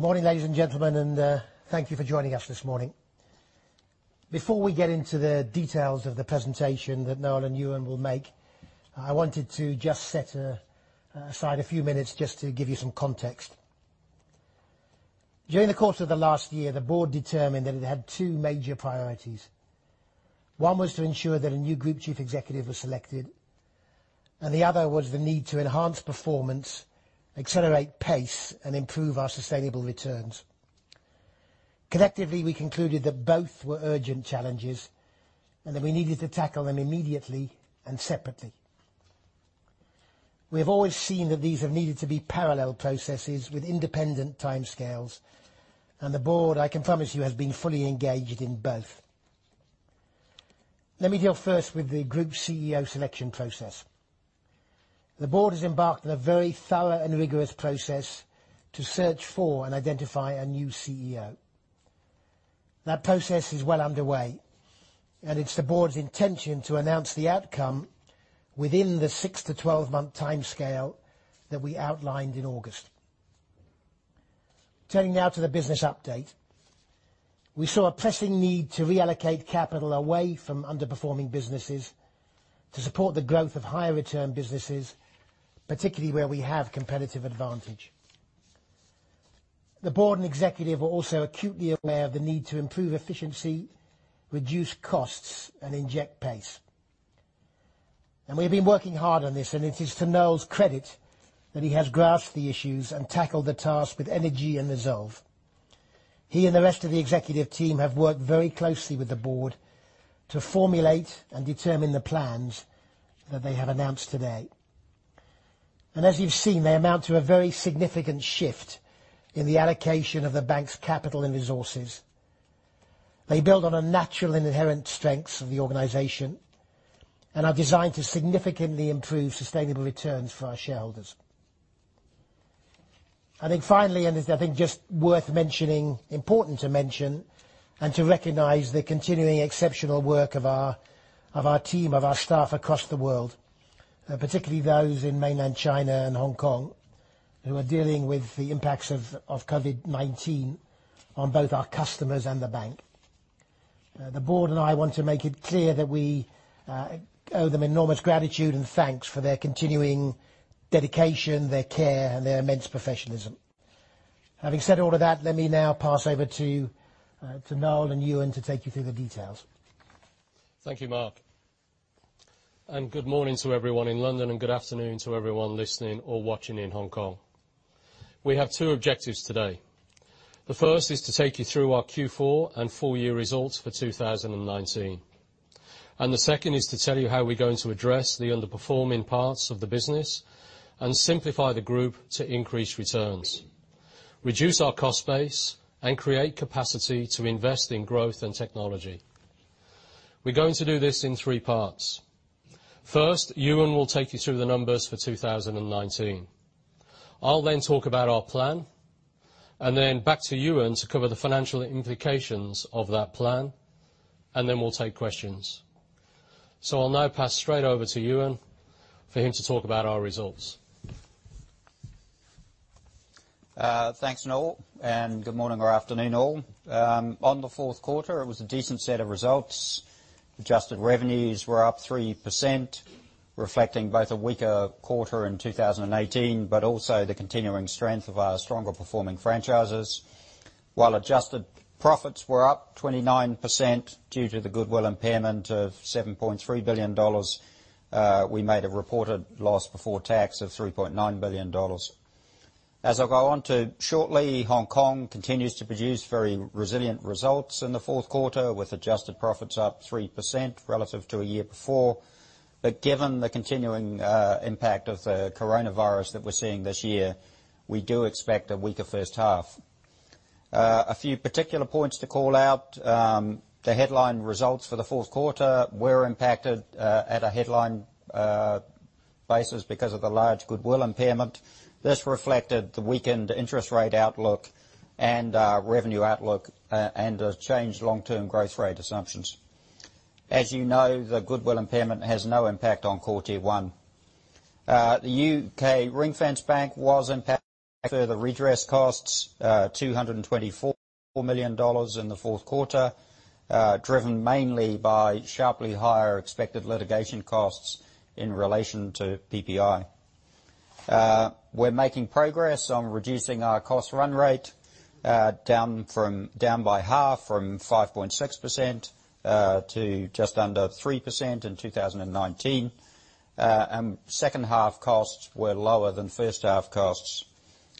Good morning, ladies and gentlemen, and thank you for joining us this morning. Before we get into the details of the presentation that Noel and Ewen will make, I wanted to just set aside a few minutes just to give you some context. During the course of the last year, the board determined that it had two major priorities. One was to ensure that a new Group Chief Executive was selected, and the other was the need to enhance performance, accelerate pace, and improve our sustainable returns. Collectively, we concluded that both were urgent challenges and that we needed to tackle them immediately and separately. We have always seen that these have needed to be parallel processes with independent timescales, and the board, I can promise you, has been fully engaged in both. Let me deal first with the Group CEO selection process. The board has embarked on a very thorough and rigorous process to search for and identify a new CEO. That process is well underway, and it's the board's intention to announce the outcome within the six-12 month timescale that we outlined in August. Turning now to the business update. We saw a pressing need to reallocate capital away from underperforming businesses to support the growth of higher return businesses, particularly where we have competitive advantage. The board and executive are also acutely aware of the need to improve efficiency, reduce costs, and inject pace. We've been working hard on this, and it is to Noel's credit that he has grasped the issues and tackled the task with energy and resolve. He and the rest of the executive team have worked very closely with the board to formulate and determine the plans that they have announced today. As you've seen, they amount to a very significant shift in the allocation of the bank's capital and resources. They build on the natural and inherent strengths of the organization and are designed to significantly improve sustainable returns for our shareholders. Then finally, and I think just worth mentioning, important to mention and to recognize the continuing exceptional work of our team, of our staff across the world, particularly those in mainland China and Hong Kong who are dealing with the impacts of COVID-19 on both our customers and the bank. The board and I want to make it clear that we owe them enormous gratitude and thanks for their continuing dedication, their care, and their immense professionalism. Having said all of that, let me now pass over to Noel and Ewen to take you through the details. Thank you, Mark. Good morning to everyone in London, and good afternoon to everyone listening or watching in Hong Kong. We have two objectives today. The first is to take you through our Q4 and full-year results for 2019, and the second is to tell you how we're going to address the underperforming parts of the business and simplify the group to increase returns, reduce our cost base, and create capacity to invest in growth and technology. We're going to do this in three parts. First, Ewen will take you through the numbers for 2019. I'll then talk about our plan, and then back to Ewen to cover the financial implications of that plan, and then we'll take questions. I'll now pass straight over to Ewen for him to talk about our results. Thanks, Noel. Good morning or afternoon all. On the fourth quarter, it was a decent set of results. Adjusted revenues were up 3%, reflecting both a weaker quarter in 2018, but also the continuing strength of our stronger performing franchises. While adjusted profits were up 29% due to the goodwill impairment of $7.3 billion, we made a reported loss before tax of $3.9 billion. As I'll go on to shortly, Hong Kong continues to produce very resilient results in the fourth quarter, with adjusted profits up 3% relative to a year before. Given the continuing impact of the coronavirus that we're seeing this year, we do expect a weaker first half. A few particular points to call out. The headline results for the fourth quarter were impacted at a headline basis because of the large goodwill impairment. This reflected the weakened interest rate outlook and revenue outlook and a changed long-term growth rate assumptions. As you know, the goodwill impairment has no impact on Core Tier 1. The U.K. ring-fenced bank was impacted by further redress costs, $224 million in the fourth quarter, driven mainly by sharply higher expected litigation costs in relation to PPI. We're making progress on reducing our cost run rate, down by half from 5.6% to just under 3% in 2019. Second half costs were lower than first half costs.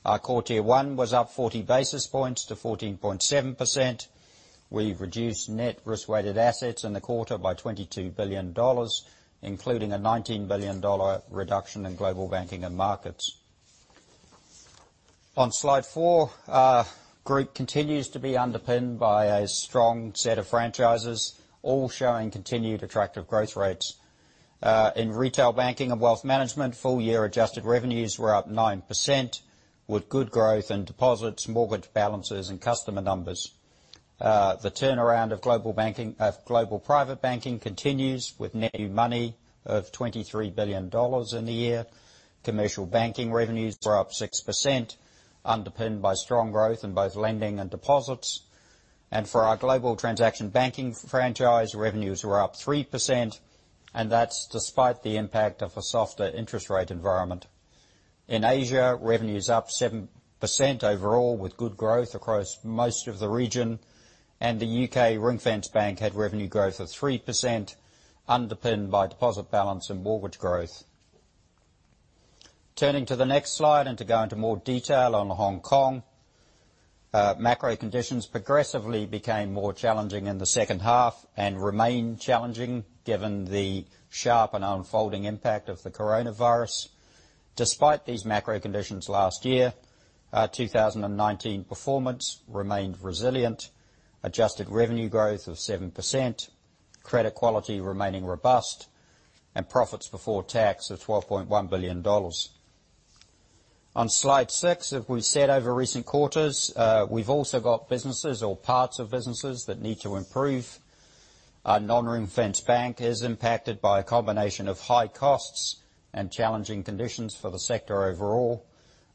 Our Core Tier 1 was up 40 basis points to 14.7%. We reduced net Risk-Weighted Assets in the quarter by $22 billion, including a $19 billion reduction in Global Banking and Markets. On slide four, our group continues to be underpinned by a strong set of franchises, all showing continued attractive growth rates. In Retail Banking and Wealth Management, full year adjusted revenues were up 9%, with good growth in deposits, mortgage balances, and customer numbers. The turnaround of Global Private Banking continues with net new money of $23 billion in the year. Commercial Banking revenues were up 6%, underpinned by strong growth in both lending and deposits. For our Global Transaction Banking franchise, revenues were up 3%, and that's despite the impact of a softer interest rate environment. In Asia, revenues up 7% overall, with good growth across most of the region. The U.K. ring-fenced bank had revenue growth of 3%, underpinned by deposit balance and mortgage growth. Turning to the next slide and to go into more detail on Hong Kong. Macro conditions progressively became more challenging in the second half and remain challenging given the sharp and unfolding impact of the coronavirus. Despite these macro conditions last year, our 2019 performance remained resilient. Adjusted revenue growth of 7%, credit quality remaining robust, and profits before tax of $12.1 billion. On slide six, as we've said over recent quarters, we've also got businesses or parts of businesses that need to improve. Our non-ring-fenced bank is impacted by a combination of high costs and challenging conditions for the sector overall.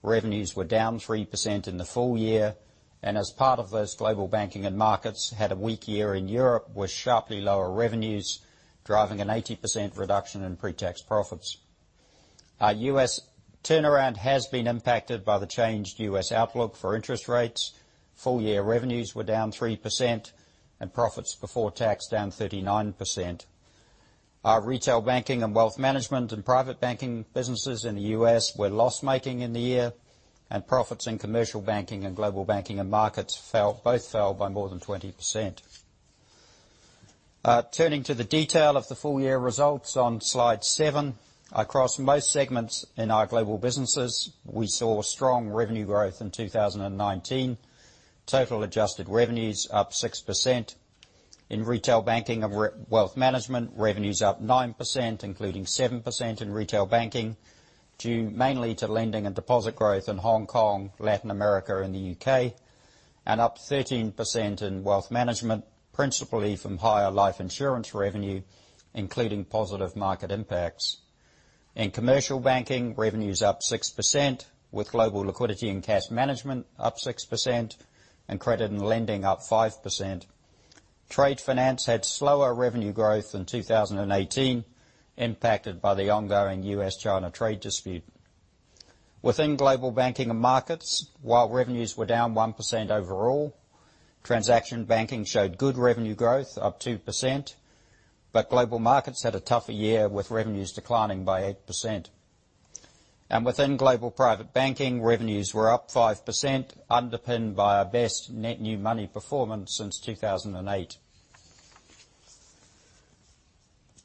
Revenues were down 3% in the full year. As part of this, Global Banking and Markets had a weak year in Europe, with sharply lower revenues driving an 18% reduction in pre-tax profits. Our U.S. turnaround has been impacted by the changed U.S. outlook for interest rates. Full-year revenues were down 3% and profits before tax down 39%. Our Retail Banking and Wealth Management and private banking businesses in the U.S. were loss-making in the year, and profits in Commercial Banking and Global Banking and Markets both fell by more than 20%. Turning to the detail of the full year results on slide seven. Across most segments in our global businesses, we saw strong revenue growth in 2019. Total adjusted revenues up 6%. In Retail Banking and Wealth Management, revenues up 9%, including 7% in Retail Banking, due mainly to lending and deposit growth in Hong Kong, Latin America, and the U.K. Up 13% in Wealth Management, principally from higher life insurance revenue, including positive market impacts. In Commercial Banking, revenues up 6%, with Global Liquidity and Cash Management up 6% and credit and lending up 5%. Trade finance had slower revenue growth than 2018, impacted by the ongoing U.S.-China trade dispute. Within Global Banking and Markets, while revenues were down 1% overall, Transaction Banking showed good revenue growth up 2%, but Global Markets had a tougher year, with revenues declining by 8%. Within Global Private Banking, revenues were up 5%, underpinned by our best net new money performance since 2008.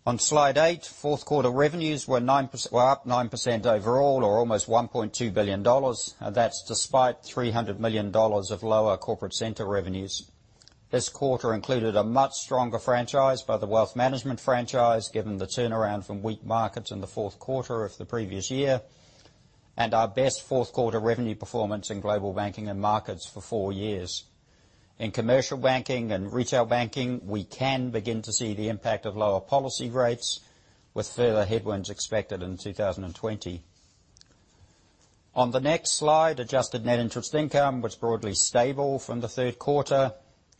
On slide eight, fourth quarter revenues were up 9% overall or almost $1.2 billion, and that's despite $300 million of lower corporate center revenues. This quarter included a much stronger franchise by the Wealth Management franchise, given the turnaround from weak markets in the fourth quarter of the previous year, and our best fourth quarter revenue performance in Global Banking and Markets for four years. In Commercial Banking and Retail Banking, we can begin to see the impact of lower policy rates with further headwinds expected in 2020. On the next slide, adjusted net interest income was broadly stable from the third quarter.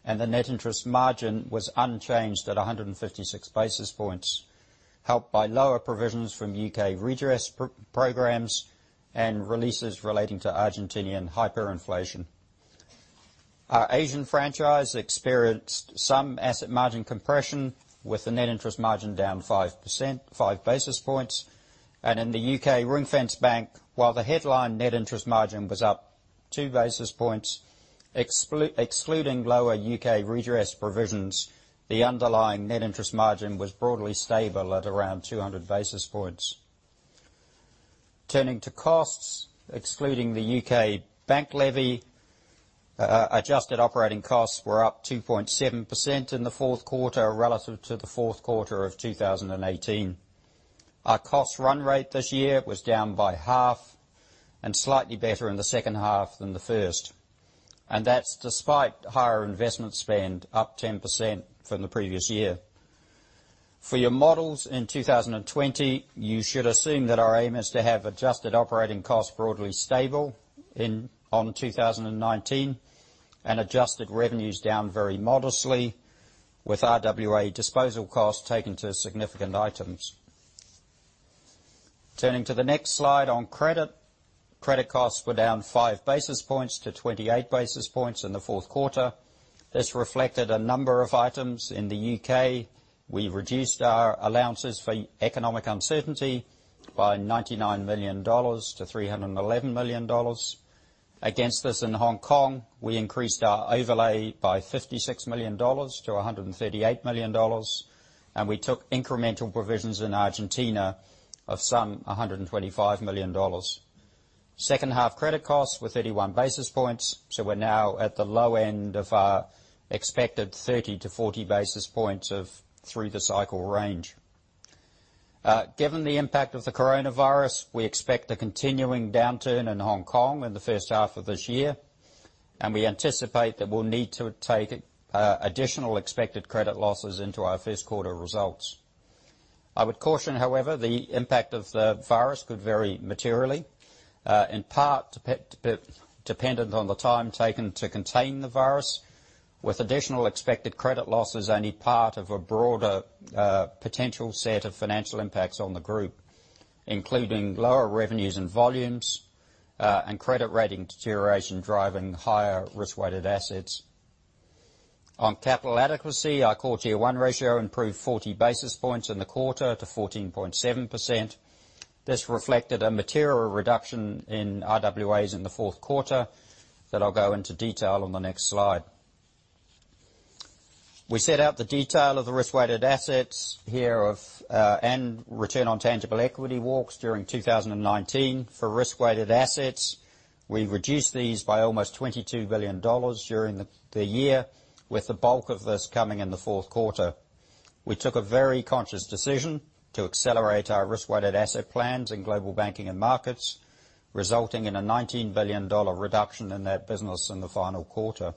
The net interest margin was unchanged at 156 basis points, helped by lower provisions from U.K. redress programs and releases relating to Argentinian hyperinflation. Our Asian franchise experienced some asset margin compression with the net interest margin down five basis points. In the U.K. ring-fence bank, while the headline net interest margin was up two basis points, excluding lower U.K. redress provisions, the underlying net interest margin was broadly stable at around 200 basis points. Turning to costs, excluding the U.K. bank levy, adjusted operating costs were up 2.7% in the fourth quarter relative to the fourth quarter of 2018. Our cost run rate this year was down by half and slightly better in the second half than the first, that's despite higher investment spend up 10% from the previous year. For your models in 2020, you should assume that our aim is to have adjusted operating costs broadly stable on 2019 and adjusted revenues down very modestly with RWA disposal costs taken to significant items. Turning to the next slide on credit. Credit costs were down five basis points-28 basis points in the fourth quarter. This reflected a number of items in the U.K. We reduced our allowances for economic uncertainty by $99 million to $311 million. Against this, in Hong Kong, we increased our overlay by $56 million-$138 million, and we took incremental provisions in Argentina of some $125 million. Second half credit costs were 31 basis points. We're now at the low end of our expected 30-40 basis points of through the cycle range. Given the impact of the coronavirus, we expect a continuing downturn in Hong Kong in the first half of this year. We anticipate that we'll need to take additional expected credit losses into our first quarter results. I would caution, however, the impact of the virus could vary materially, in part dependent on the time taken to contain the virus, with additional expected credit losses only part of a broader potential set of financial impacts on the group, including lower revenues and volumes, and credit rating deterioration driving higher risk-weighted assets. On capital adequacy, our Core Tier 1 ratio improved 40 basis points in the quarter to 14.7%. This reflected a material reduction in RWAs in the fourth quarter that I'll go into detail on the next slide. We set out the detail of the Risk-Weighted Assets here and Return on Tangible Equity walks during 2019. For Risk-Weighted Assets, we reduced these by almost $22 billion during the year, with the bulk of this coming in the fourth quarter. We took a very conscious decision to accelerate our Risk-Weighted Asset plans in Global Banking and Markets, resulting in a $19 billion reduction in that business in the final quarter.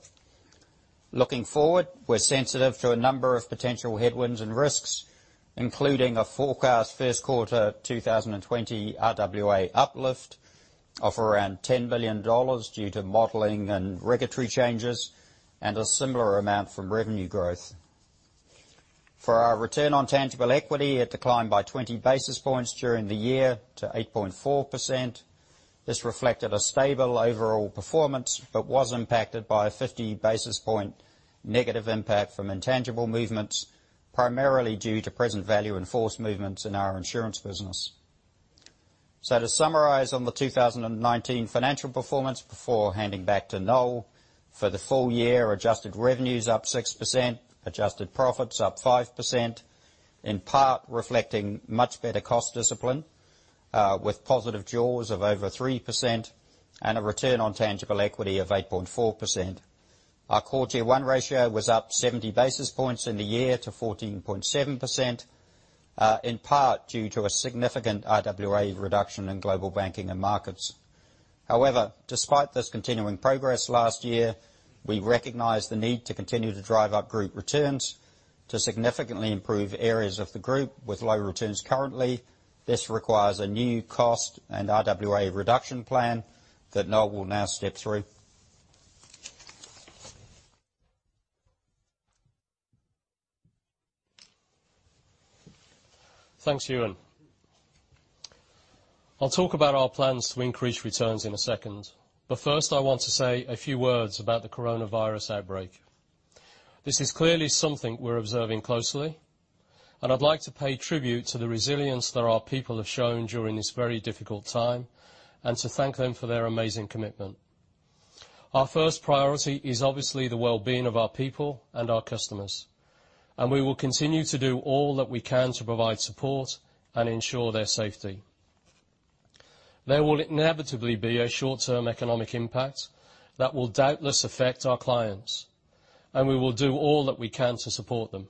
Looking forward, we're sensitive to a number of potential headwinds and risks, including a forecast first quarter 2020 RWA uplift of around $10 billion due to modeling and regulatory changes, and a similar amount from revenue growth. For our Return on Tangible Equity, it declined by 20 basis points during the year to 8.4%. This reflected a stable overall performance, but was impacted by a 50 basis points negative impact from intangible movements, primarily due to present value of in-force movements in our insurance business. To summarize on the 2019 financial performance before handing back to Noel, for the full year, adjusted revenues up 6%, adjusted profits up 5%, in part reflecting much better cost discipline, with positive jaws of over 3% and a return on tangible equity of 8.4%. Our Core Tier 1 ratio was up 70 basis points in the year to 14.7%, in part due to a significant RWA reduction in Global Banking and Markets. However, despite this continuing progress last year, we recognize the need to continue to drive up group returns to significantly improve areas of the group with low returns currently. This requires a new cost and RWA reduction plan that Noel will now step through. Thanks, Ewen. I'll talk about our plans to increase returns in a second, but first I want to say a few words about the coronavirus outbreak. This is clearly something we're observing closely, and I'd like to pay tribute to the resilience that our people have shown during this very difficult time and to thank them for their amazing commitment. Our first priority is obviously the well-being of our people and our customers, and we will continue to do all that we can to provide support and ensure their safety. There will inevitably be a short-term economic impact that will doubtless affect our clients, and we will do all that we can to support them.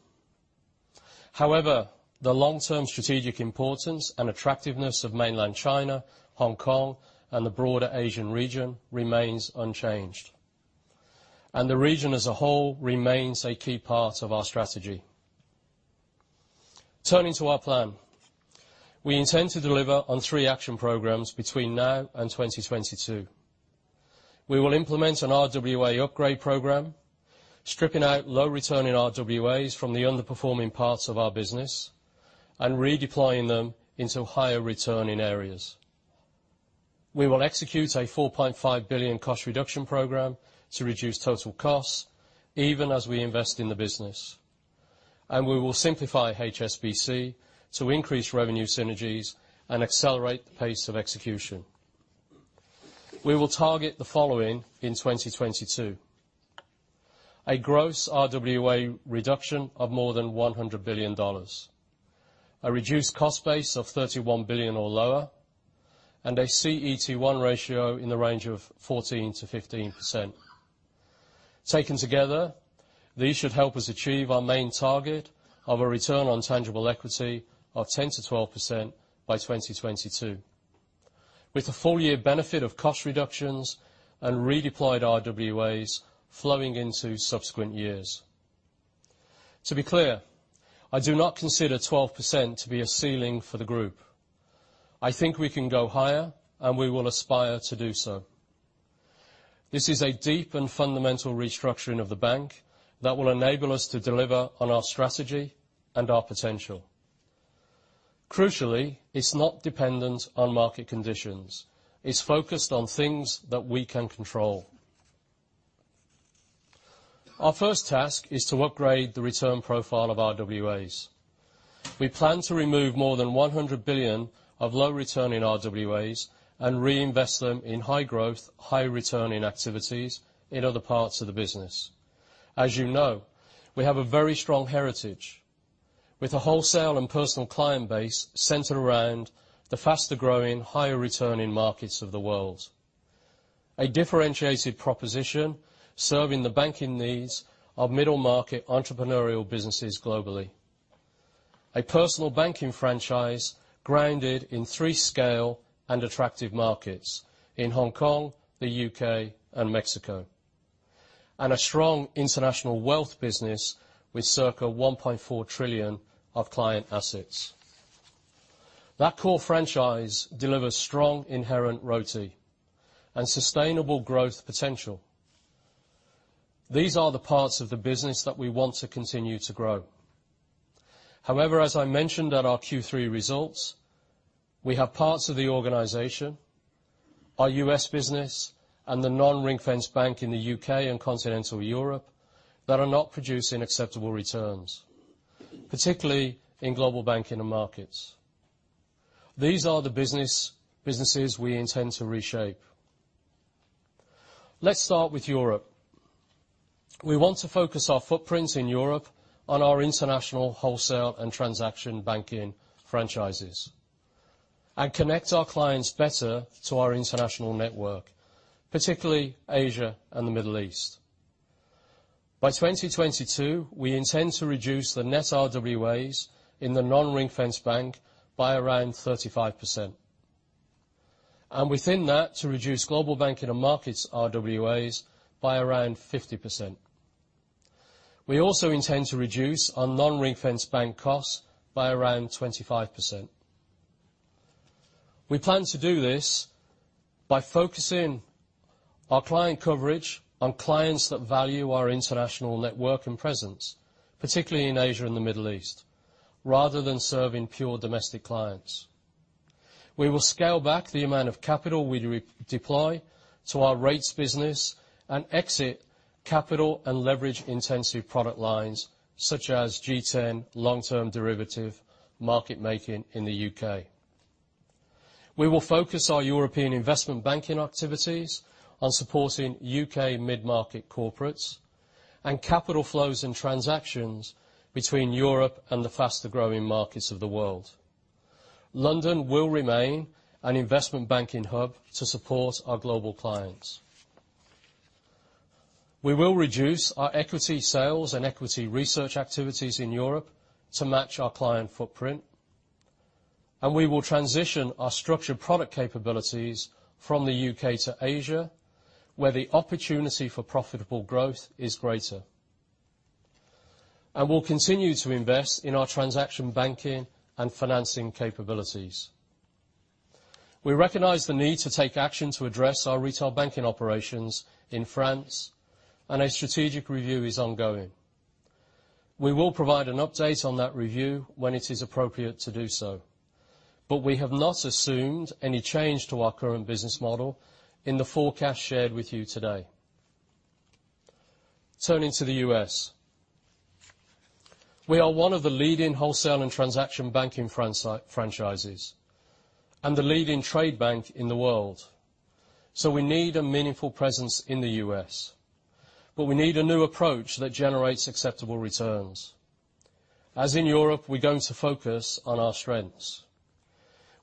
However, the long-term strategic importance and attractiveness of mainland China, Hong Kong, and the broader Asian region remains unchanged. The region as a whole remains a key part of our strategy. Turning to our plan. We intend to deliver on three action programs between now and 2022. We will implement an RWA upgrade program, stripping out low-returning RWAs from the underperforming parts of our business and redeploying them into higher returning areas. We will execute a $4.5 billion cost reduction program to reduce total costs, even as we invest in the business. We will simplify HSBC to increase revenue synergies and accelerate the pace of execution. We will target the following in 2022. A gross RWA reduction of more than $100 billion, a reduced cost base of $31 billion or lower, and a CET1 ratio in the range of 14%-15%. Taken together, these should help us achieve our main target of a return on tangible equity of 10%-12% by 2022. With the full year benefit of cost reductions and redeployed RWAs flowing into subsequent years. To be clear, I do not consider 12% to be a ceiling for the group. I think we can go higher, and we will aspire to do so. This is a deep and fundamental restructuring of the bank that will enable us to deliver on our strategy and our potential. Crucially, it's not dependent on market conditions. It's focused on things that we can control. Our first task is to upgrade the return profile of RWAs. We plan to remove more than $100 billion of low-returning RWAs and reinvest them in high growth, high returning activities in other parts of the business. As you know, we have a very strong heritage with a wholesale and personal client base centered around the faster-growing, higher returning markets of the world. A differentiated proposition serving the banking needs of middle-market entrepreneurial businesses globally. A personal banking franchise grounded in three scale and attractive markets, in Hong Kong, the U.K., and Mexico. A strong international wealth business with circa $1.4 trillion of client assets. That core franchise delivers strong inherent ROTI and sustainable growth potential. These are the parts of the business that we want to continue to grow. However, as I mentioned at our Q3 results, we have parts of the organization, our U.S. business, and the non-ring-fenced bank in the U.K. and continental Europe, that are not producing acceptable returns, particularly in Global Banking and Markets. These are the businesses we intend to reshape. Let's start with Europe. We want to focus our footprints in Europe on our international wholesale and transaction banking franchises and connect our clients better to our international network, particularly Asia and the Middle East. By 2022, we intend to reduce the net RWAs in the non-ring-fenced bank by around 35%. Within that, to reduce Global Banking and Markets RWAs by around 50%. We also intend to reduce our non-ring-fenced bank costs by around 25%. We plan to do this by focusing our client coverage on clients that value our international network and presence, particularly in Asia and the Middle East, rather than serving pure domestic clients. We will scale back the amount of capital we deploy to our rates business and exit capital and leverage intensive product lines, such as G10 long-term derivative market making in the U.K. We will focus our European investment banking activities on supporting U.K. mid-market corporates and capital flows and transactions between Europe and the faster-growing markets of the world. London will remain an investment banking hub to support our global clients. We will reduce our equity sales and equity research activities in Europe to match our client footprint, and we will transition our structured product capabilities from the U.K. to Asia, where the opportunity for profitable growth is greater. We'll continue to invest in our transaction banking and financing capabilities. We recognize the need to take action to address our retail banking operations in France, and a strategic review is ongoing. We will provide an update on that review when it is appropriate to do so, but we have not assumed any change to our current business model in the forecast shared with you today. Turning to the U.S. We are one of the leading wholesale and transaction banking franchises and the leading trade bank in the world, so we need a meaningful presence in the U.S., but we need a new approach that generates acceptable returns. As in Europe, we're going to focus on our strengths.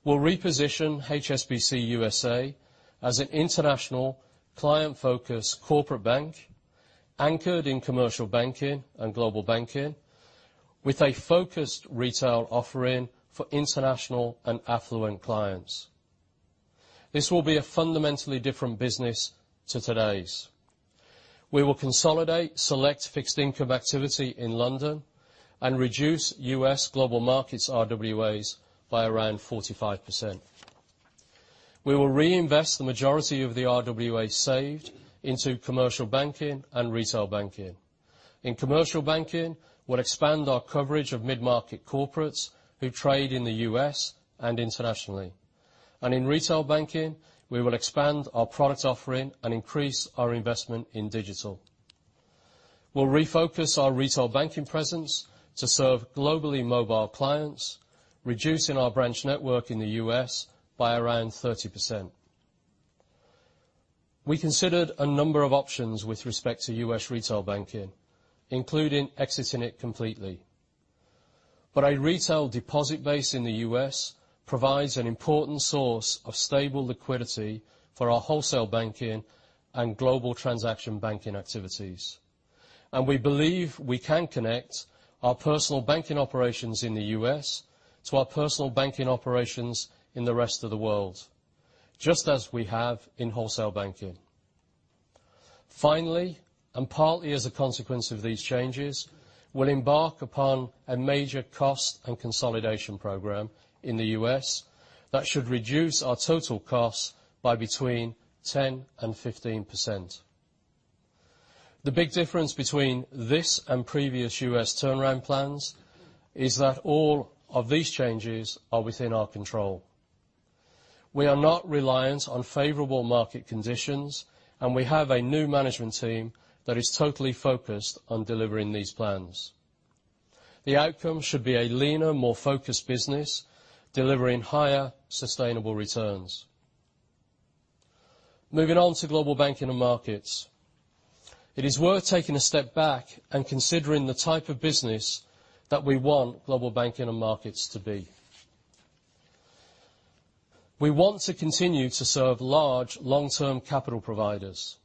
We'll reposition HSBC U.S.A. as an international client-focused corporate bank anchored in Commercial Banking and Global Banking with a focused retail offering for international and affluent clients. This will be a fundamentally different business to today's. We will consolidate select fixed income activity in London and reduce U.S. global markets RWAs by around 45%. We will reinvest the majority of the RWAs saved into Commercial Banking and Retail Banking. In Commercial Banking, we'll expand our coverage of mid-market corporates who trade in the U.S. and internationally. In Retail Banking, we will expand our product offering and increase our investment in digital. We'll refocus our Retail Banking presence to serve globally mobile clients, reducing our branch network in the U.S. by around 30%. We considered a number of options with respect to U.S. Retail Banking, including exiting it completely. A retail deposit base in the U.S. provides an important source of stable liquidity for our wholesale banking and Global Transaction Banking activities. We believe we can connect our personal banking operations in the U.S. to our personal banking operations in the rest of the world, just as we have in wholesale banking. Finally, and partly as a consequence of these changes, we'll embark upon a major cost and consolidation program in the U.S. that should reduce our total costs by between 10% and 15%. The big difference between this and previous U.S. turnaround plans is that all of these changes are within our control. We are not reliant on favorable market conditions, and we have a new management team that is totally focused on delivering these plans. The outcome should be a leaner, more focused business delivering higher sustainable returns. Moving on to Global Banking and Markets. It is worth taking a step back and considering the type of business that we want Global Banking and Markets to be. We want to continue to serve large, long-term capital providers,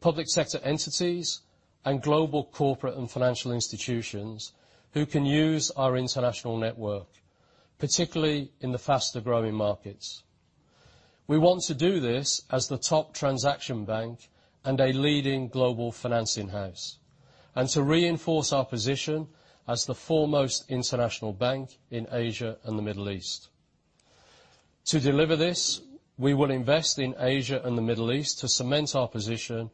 public sector entities, and global corporate and financial institutions who can use our international network, particularly in the faster-growing markets. We want to do this as the top transaction bank and a leading global financing house, and to reinforce our position as the foremost international bank in Asia and the Middle East. To deliver this, we will invest in Asia and the Middle East to cement our position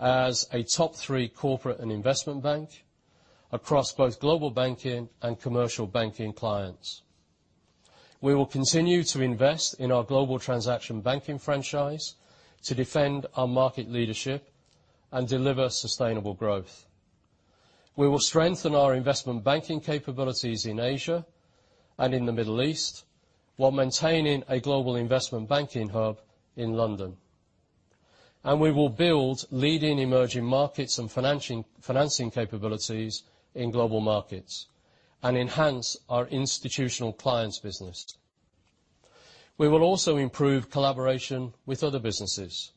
as a top-three corporate and investment bank across both Global Banking and Commercial Banking clients. We will continue to invest in our Global Transaction Banking franchise to defend our market leadership and deliver sustainable growth. We will strengthen our investment banking capabilities in Asia and in the Middle East while maintaining a global investment banking hub in London. We will build leading emerging markets and financing capabilities in global markets and enhance our institutional clients business. We will also improve collaboration with other businesses.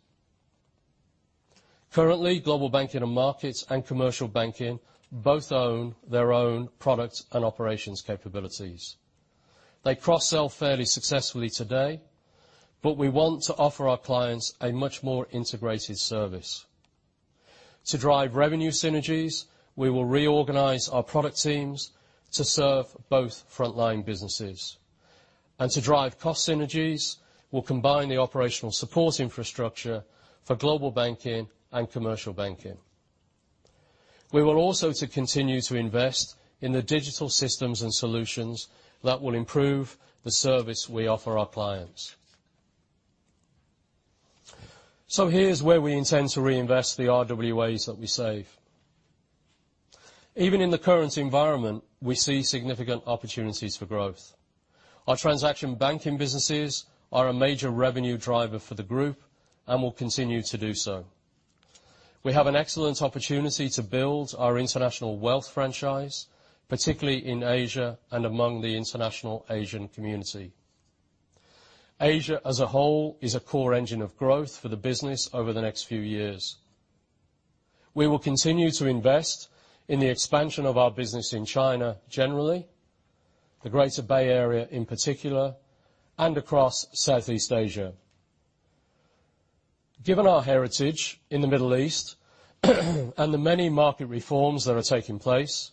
Currently, Global Banking and Markets and Commercial Banking both own their own product and operations capabilities. They cross-sell fairly successfully today, but we want to offer our clients a much more integrated service. To drive revenue synergies, we will reorganize our product teams to serve both frontline businesses. To drive cost synergies, we'll combine the operational support infrastructure for Global Banking and Markets and Commercial Banking. We will also continue to invest in the digital systems and solutions that will improve the service we offer our clients. Here's where we intend to reinvest the RWAs that we save. Even in the current environment, we see significant opportunities for growth. Our transaction banking businesses are a major revenue driver for the group and will continue to do so. We have an excellent opportunity to build our international wealth franchise, particularly in Asia and among the international Asian community. Asia as a whole is a core engine of growth for the business over the next few years. We will continue to invest in the expansion of our business in China, generally, the Greater Bay Area in particular, and across Southeast Asia. Given our heritage in the Middle East and the many market reforms that are taking place,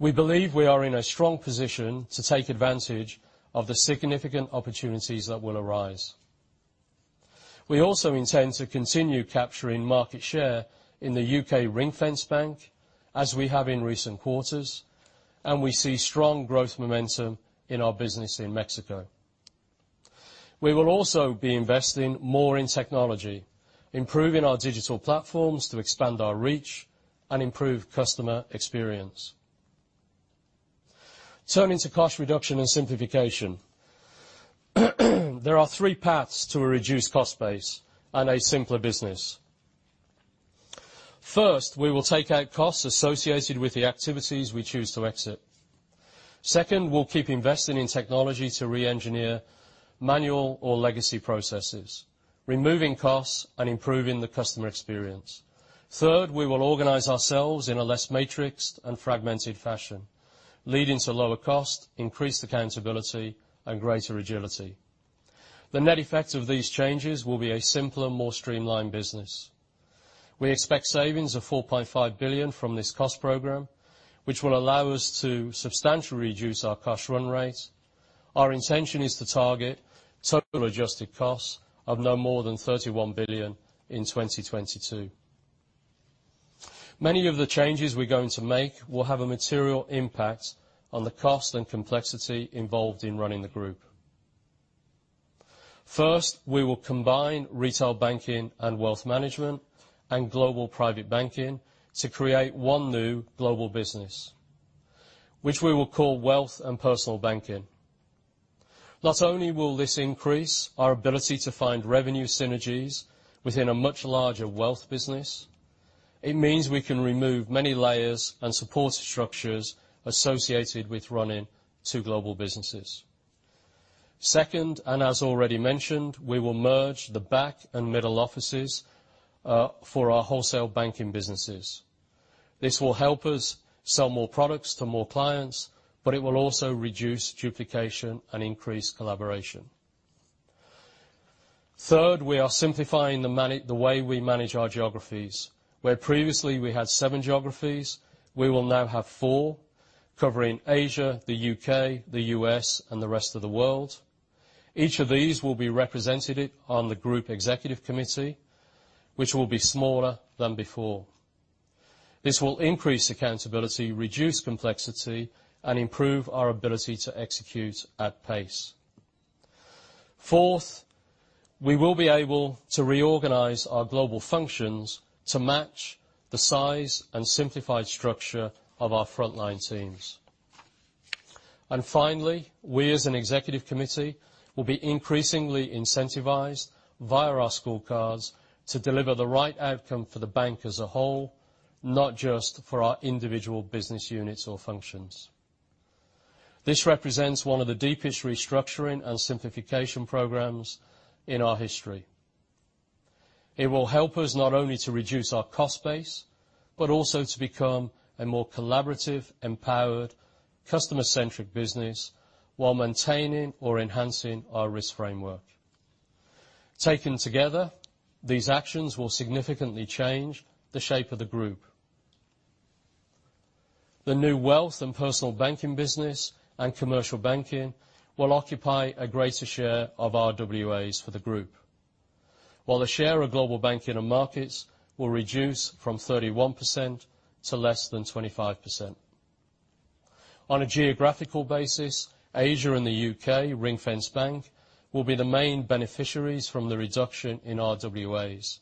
we believe we are in a strong position to take advantage of the significant opportunities that will arise. We also intend to continue capturing market share in the U.K. ring-fenced bank, as we have in recent quarters, and we see strong growth momentum in our business in Mexico. We will also be investing more in technology, improving our digital platforms to expand our reach and improve customer experience. Turning to cost reduction and simplification, there are three paths to a reduced cost base and a simpler business. First, we will take out costs associated with the activities we choose to exit. Second, we'll keep investing in technology to reengineer manual or legacy processes, removing costs and improving the customer experience. Third, we will organize ourselves in a less matrixed and fragmented fashion, leading to lower cost, increased accountability, and greater agility. The net effect of these changes will be a simpler, more streamlined business. We expect savings of $4.5 billion from this cost program, which will allow us to substantially reduce our cost run rate. Our intention is to target total adjusted costs of no more than $31 billion in 2022. Many of the changes we're going to make will have a material impact on the cost and complexity involved in running the group. First, we will combine Retail Banking and Wealth Management and Global Private Banking to create one new global business, which we will call Wealth and Personal Banking. Not only will this increase our ability to find revenue synergies within a much larger wealth business, it means we can remove many layers and support structures associated with running two global businesses. Second, as already mentioned, we will merge the back and middle offices for our wholesale banking businesses. This will help us sell more products to more clients, but it will also reduce duplication and increase collaboration. Third, we are simplifying the way we manage our geographies. Where previously we had seven geographies, we will now have four covering Asia, the U.K., the U.S., and the rest of the world. Each of these will be represented on the Group Executive Committee, which will be smaller than before. This will increase accountability, reduce complexity, and improve our ability to execute at pace. Fourth, we will be able to reorganize our global functions to match the size and simplified structure of our frontline teams. Finally, we as an Executive Committee will be increasingly incentivized via our scorecards to deliver the right outcome for the bank as a whole, not just for our individual business units or functions. This represents one of the deepest restructuring and simplification programs in our history. It will help us not only to reduce our cost base, but also to become a more collaborative, empowered, customer-centric business while maintaining or enhancing our risk framework. Taken together, these actions will significantly change the shape of the group. The new Wealth and Personal Banking business and Commercial Banking will occupy a greater share of RWAs for the group, while the share of Global Banking and Markets will reduce from 31% to less than 25%. On a geographical basis, Asia and the U.K. Ring-Fenced Bank will be the main beneficiaries from the reduction in RWAs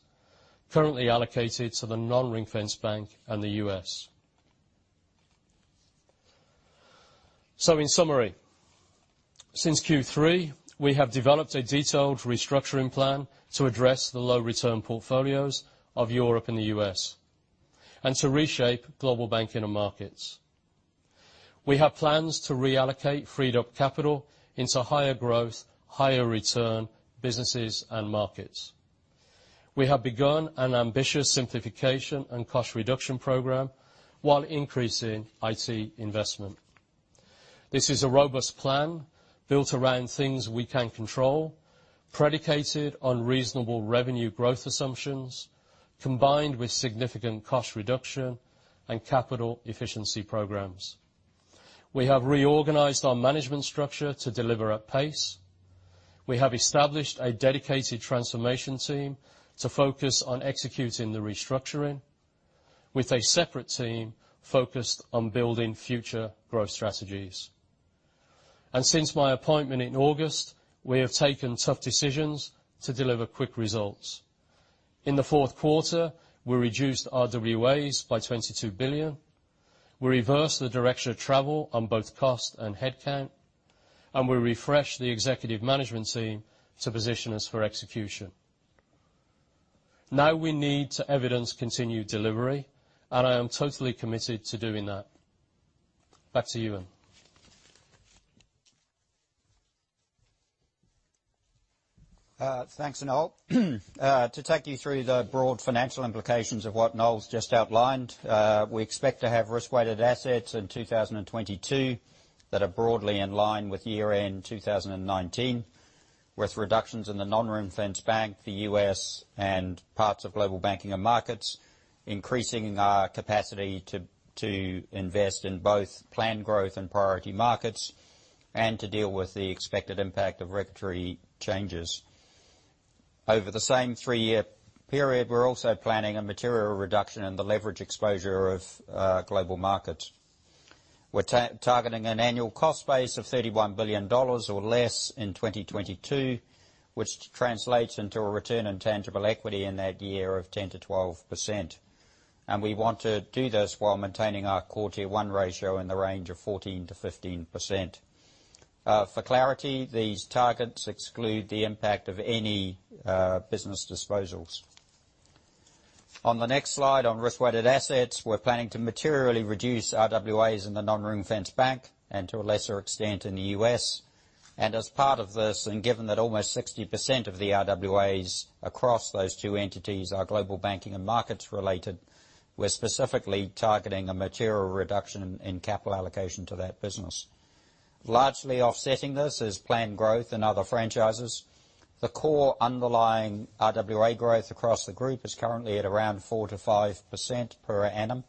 currently allocated to the non-ring-fenced bank and the U.S. In summary, since Q3 we have developed a detailed restructuring plan to address the low return portfolios of Europe and the U.S., and to reshape Global Banking and Markets. We have plans to reallocate freed-up capital into higher growth, higher return businesses and markets. We have begun an ambitious simplification and cost reduction program while increasing IT investment. This is a robust plan built around things we can control, predicated on reasonable revenue growth assumptions, combined with significant cost reduction and capital efficiency programs. We have reorganized our management structure to deliver at pace. We have established a dedicated transformation team to focus on executing the restructuring, with a separate team focused on building future growth strategies. Since my appointment in August, we have taken tough decisions to deliver quick results. In the fourth quarter, we reduced RWAs by $22 billion. We reversed the direction of travel on both cost and headcount, we refreshed the executive management team to position us for execution. We need to evidence continued delivery, and I am totally committed to doing that. Back to you, Ewen. Thanks, Noel. To take you through the broad financial implications of what Noel's just outlined, we expect to have Risk-Weighted Assets in 2022 that are broadly in line with year-end 2019, with reductions in the non-ring-fenced bank, the U.S., and parts of Global Banking and Markets, increasing our capacity to invest in both planned growth and priority markets, and to deal with the expected impact of regulatory changes. Over the same three-year period, we're also planning a material reduction in the leverage exposure of global markets. We're targeting an annual cost base of $31 billion or less in 2022, which translates into a return on tangible equity in that year of 10%-12%. We want to do this while maintaining our Core Tier 1 ratio in the range of 14%-15%. For clarity, these targets exclude the impact of any business disposals. On the next slide, on risk-weighted assets, we're planning to materially reduce RWAs in the non-ring-fenced bank and to a lesser extent in the U.S. As part of this, and given that almost 60% of the RWAs across those two entities are Global Banking and Markets related, we're specifically targeting a material reduction in capital allocation to that business. Largely offsetting this is planned growth in other franchises. The core underlying RWA growth across the group is currently at around 4%-5% per annum.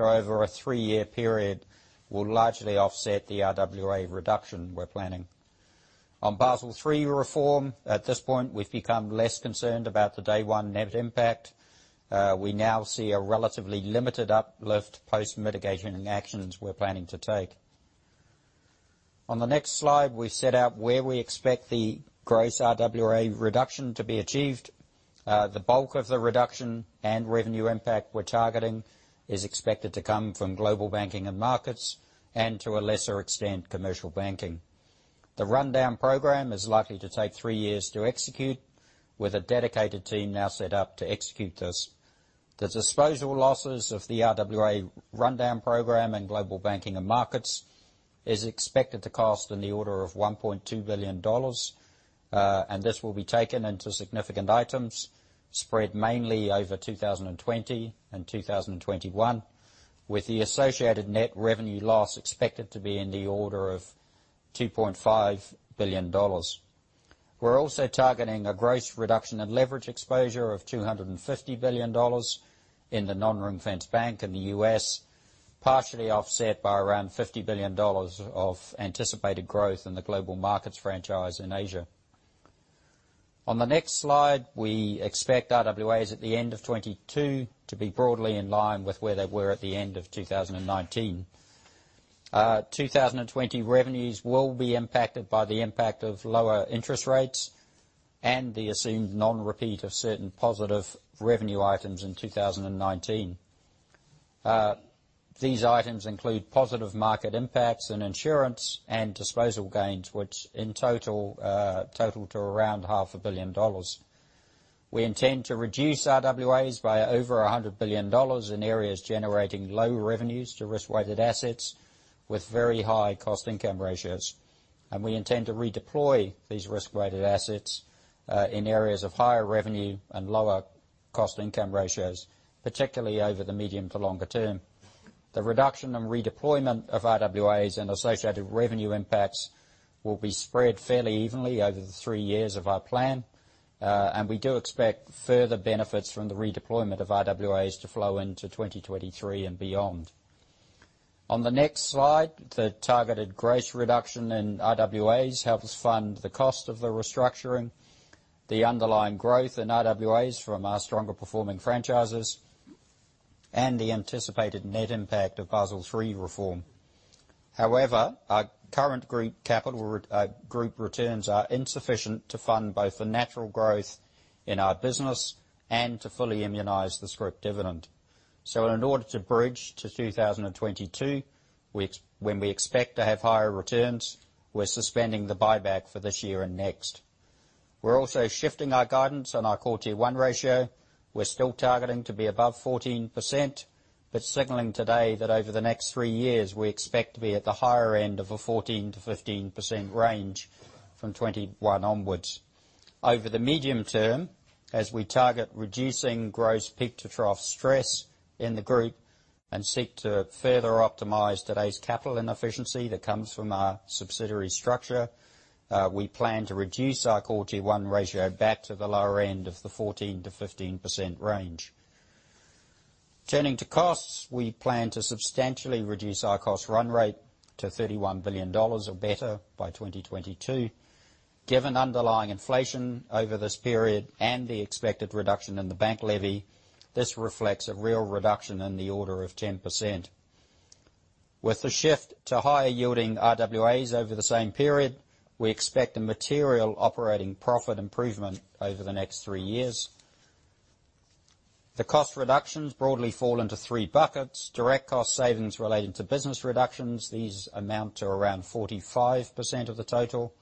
Over a three-year period will largely offset the RWA reduction we're planning. On Basel III reform, at this point, we've become less concerned about the day one net impact. We now see a relatively limited uplift post mitigation in actions we're planning to take. On the next slide, we set out where we expect the gross RWA reduction to be achieved. The bulk of the reduction and revenue impact we're targeting is expected to come from Global Banking and Markets, and to a lesser extent, Commercial Banking. The rundown program is likely to take three years to execute with a dedicated team now set up to execute this. The disposal losses of the RWA rundown program in Global Banking and Markets is expected to cost in the order of $1.2 billion, and this will be taken into significant items spread mainly over 2020 and 2021, with the associated net revenue loss expected to be in the order of $2.5 billion. We're also targeting a gross reduction in leverage exposure of $250 billion in the non-ring-fenced bank in the U.S., partially offset by around $50 billion of anticipated growth in the global markets franchise in Asia. On the next slide, we expect RWAs at the end of 2022 to be broadly in line with where they were at the end of 2019. 2020 revenues will be impacted by the impact of lower interest rates and the assumed non-repeat of certain positive revenue items in 2019. These items include positive market impacts and insurance and disposal gains, which in total to around half a billion dollars. We intend to reduce RWAs by over $100 billion in areas generating low revenues to risk-weighted assets, with very high cost income ratios, and we intend to redeploy these risk-weighted assets in areas of higher revenue and lower cost income ratios, particularly over the medium to longer term. The reduction in redeployment of RWAs and associated revenue impacts will be spread fairly evenly over the three years of our plan. We do expect further benefits from the redeployment of RWAs to flow into 2023 and beyond. On the next slide, the targeted gross reduction in RWAs helps fund the cost of the restructuring, the underlying growth in RWAs from our stronger performing franchises, and the anticipated net impact of Basel III reform. Our current group returns are insufficient to fund both the natural growth in our business and to fully immunize this group dividend. In order to bridge to 2022, when we expect to have higher returns, we're suspending the buyback for this year and next. We're also shifting our guidance on our Core Tier 1 ratio. We're still targeting to be above 14%, but signaling today that over the next three years, we expect to be at the higher end of a 14%-15% range from 2021 onwards. Over the medium term, as we target reducing gross peak to trough stress in the group, and seek to further optimize today's capital inefficiency that comes from our subsidiary structure, we plan to reduce our Core Tier 1 ratio back to the lower end of the 14%-15% range. Turning to costs, we plan to substantially reduce our cost run rate to $31 billion or better by 2022. Given underlying inflation over this period and the expected reduction in the bank levy, this reflects a real reduction in the order of 10%. With the shift to higher yielding RWAs over the same period, we expect a material operating profit improvement over the next three years. The cost reductions broadly fall into three buckets. Direct cost savings relating to business reductions. These amount to around 45% of the total.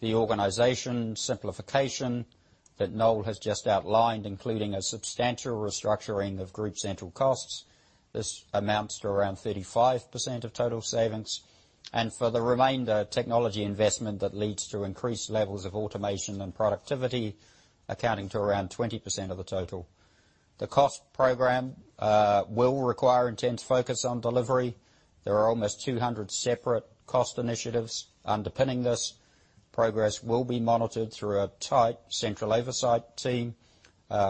The organization simplification that Noel has just outlined, including a substantial restructuring of group central costs. This amounts to around 35% of total savings. For the remainder, technology investment that leads to increased levels of automation and productivity, accounting to around 20% of the total. The cost program will require intense focus on delivery. There are almost 200 separate cost initiatives underpinning this. Progress will be monitored through a tight central oversight team,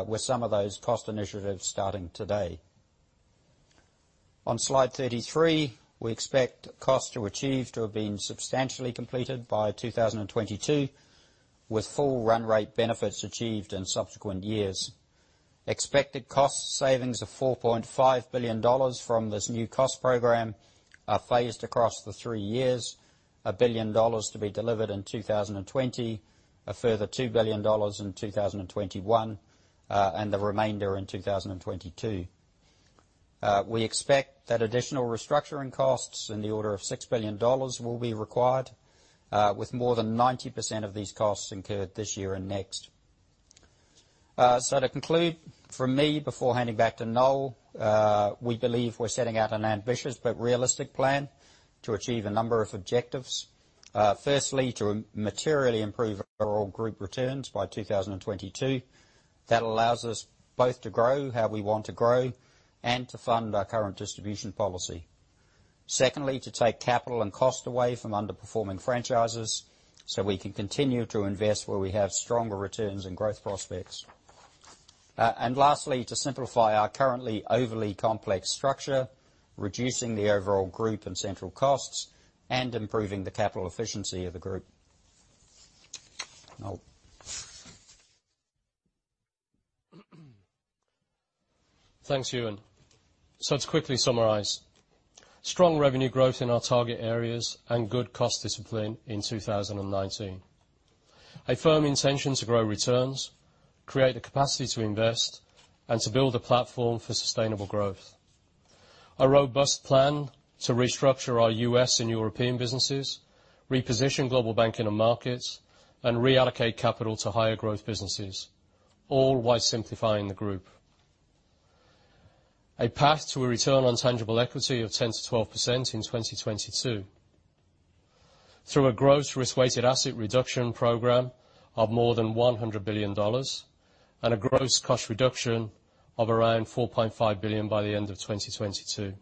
with some of those cost initiatives starting today. On slide 33, we expect cost to achieve to have been substantially completed by 2022, with full run rate benefits achieved in subsequent years. Expected cost savings of $4.5 billion from this new cost program are phased across the three years, $1 billion to be delivered in 2020, a further $2 billion in 2021, and the remainder in 2022. We expect that additional restructuring costs in the order of $6 billion will be required, with more than 90% of these costs incurred this year and next. To conclude from me before handing back to Noel, we believe we're setting out an ambitious but realistic plan to achieve a number of objectives. Firstly, to materially improve our group returns by 2022. That allows us both to grow how we want to grow and to fund our current distribution policy. Secondly, to take capital and cost away from underperforming franchises so we can continue to invest where we have stronger returns and growth prospects. Lastly, to simplify our currently overly complex structure, reducing the overall group and central costs, and improving the capital efficiency of the group. Noel. Thanks, Ewen. To quickly summarize, strong revenue growth in our target areas and good cost discipline in 2019. A firm intention to grow returns, create the capacity to invest, and to build a platform for sustainable growth. A robust plan to restructure our U.S. and European businesses, reposition Global Banking and Markets, and reallocate capital to higher growth businesses, all while simplifying the group. A path to a return on tangible equity of 10%-12% in 2022 through a gross risk-weighted asset reduction program of more than $100 billion, and a gross cost reduction of around $4.5 billion by the end of 2022.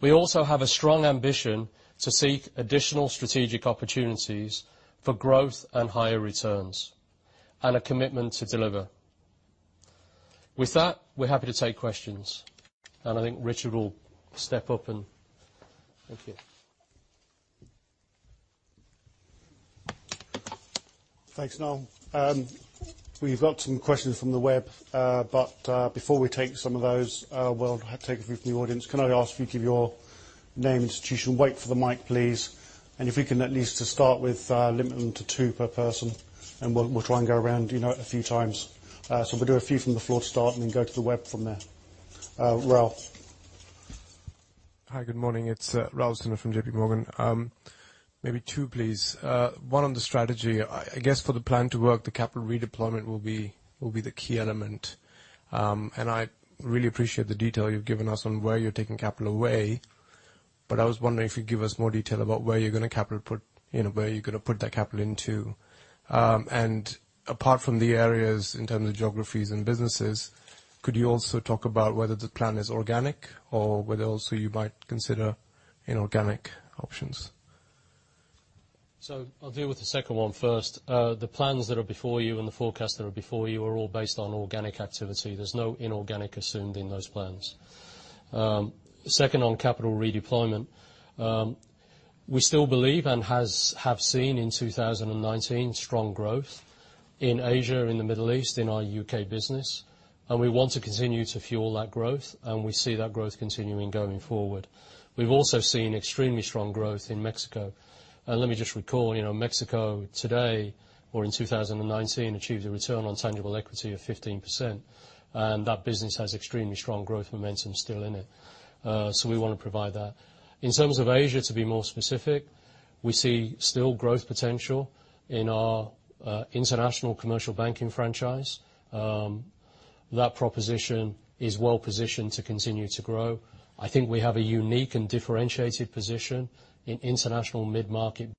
We also have a strong ambition to seek additional strategic opportunities for growth and higher returns, and a commitment to deliver. With that, we are happy to take questions, and I think Richard will step up and Thank you. Thanks, Noel. We've got some questions from the web. Before we take some of those, we'll take a few from the audience. Can I ask you to give your name, institution, wait for the mic, please. If we can at least to start with limiting them to two per person, we'll try and go around a few times. We'll do a few from the floor to start, then go to the web from there. Ralph. Hi, good morning. It's Ralph Desinor from JP Morgan. Maybe two, please. One on the strategy. I guess for the plan to work, the capital redeployment will be the key element. I really appreciate the detail you've given us on where you're taking capital away, but I was wondering if you'd give us more detail about where you're going to put that capital into. Apart from the areas in terms of geographies and businesses, could you also talk about whether the plan is organic or whether also you might consider inorganic options? I'll deal with the second one first. The plans that are before you and the forecasts that are before you are all based on organic activity. There's no inorganic assumed in those plans. Second, on capital redeployment. We still believe and have seen in 2019, strong growth in Asia, in the Middle East, in our U.K. business, and we want to continue to fuel that growth, and we see that growth continuing going forward. We've also seen extremely strong growth in Mexico. Let me just recall, Mexico today, or in 2019, achieved a return on tangible equity of 15%, and that business has extremely strong growth momentum still in it. We want to provide that. In terms of Asia, to be more specific, we see still growth potential in our international Commercial Banking franchise. That proposition is well positioned to continue to grow. I think we have a unique and differentiated position in international mid-market.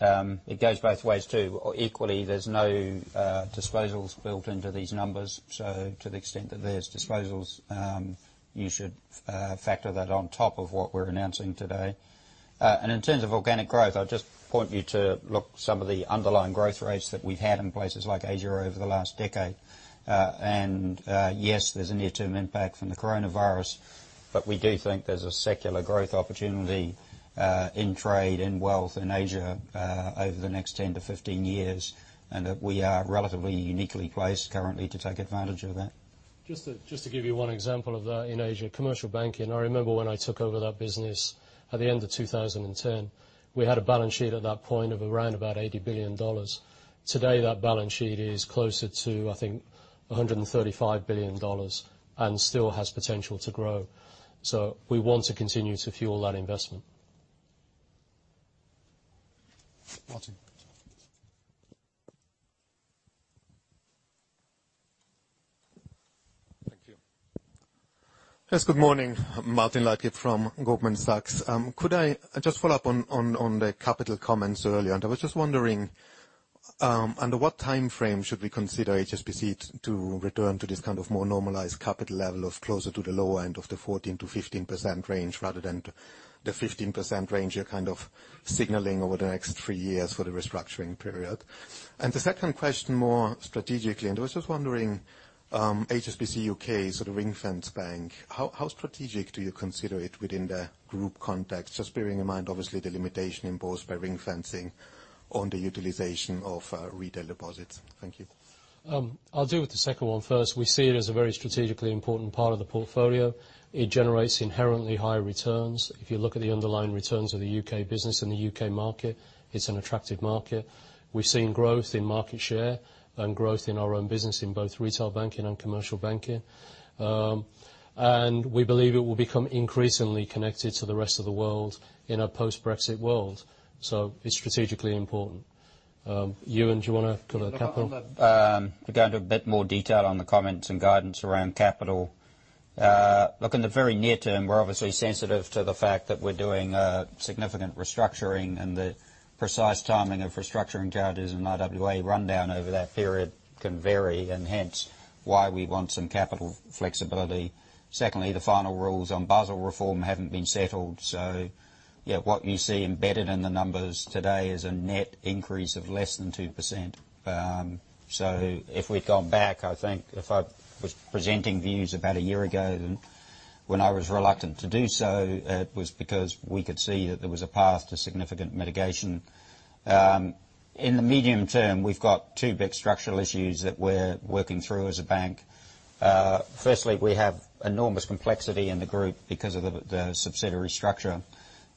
It goes both ways, too, or equally, there's no disposals built into these numbers. To the extent that there's disposals, you should factor that on top of what we're announcing today. In terms of organic growth, I'll just point you to look some of the underlying growth rates that we've had in places like Asia over the last decade. Yes, there's a near-term impact from the coronavirus, but we do think there's a secular growth opportunity, in trade and wealth in Asia, over the next 10-15 years, and that we are relatively uniquely placed currently to take advantage of that. Just to give you one example of that in Asia, Commercial Banking. I remember when I took over that business at the end of 2010, we had a balance sheet at that point of around about $80 billion. Today, that balance sheet is closer to, I think, $135 billion and still has potential to grow. We want to continue to fuel that investment. Martin. Thank you. Yes, good morning. Martin Leitgeb from Goldman Sachs. Could I just follow up on the capital comments earlier? I was just wondering, under what time frame should we consider HSBC to return to this kind of more normalized capital level of closer to the lower end of the 14%-15% range rather than the 15% range you're kind of signaling over the next three years for the restructuring period? The second question, more strategically, I was just wondering, HSBC U.K. sort of ring-fenced bank, how strategic do you consider it within the group context? Just bearing in mind, obviously, the limitation imposed by ring-fencing on the utilization of retail deposits. Thank you. I'll deal with the second one first. We see it as a very strategically important part of the portfolio. It generates inherently high returns. If you look at the underlying returns of the U.K. business and the U.K. market, it's an attractive market. We've seen growth in market share and growth in our own business in both Retail Banking and Commercial Banking. We believe it will become increasingly connected to the rest of the world in a post-Brexit world. It's strategically important. Ewen, do you want to comment on that? To go into a bit more detail on the comments and guidance around capital. In the very near term, we're obviously sensitive to the fact that we're doing a significant restructuring and the precise timing of restructuring charges and RWA rundown over that period can vary, and hence why we want some capital flexibility. Secondly, the final rules on Basel III haven't been settled. Yeah, what you see embedded in the numbers today is a net increase of less than 2%. If we'd gone back, I think if I was presenting views about a year ago when I was reluctant to do so, it was because we could see that there was a path to significant mitigation. In the medium term, we've got two big structural issues that we're working through as a bank. Firstly, we have enormous complexity in the group because of the subsidiary structure.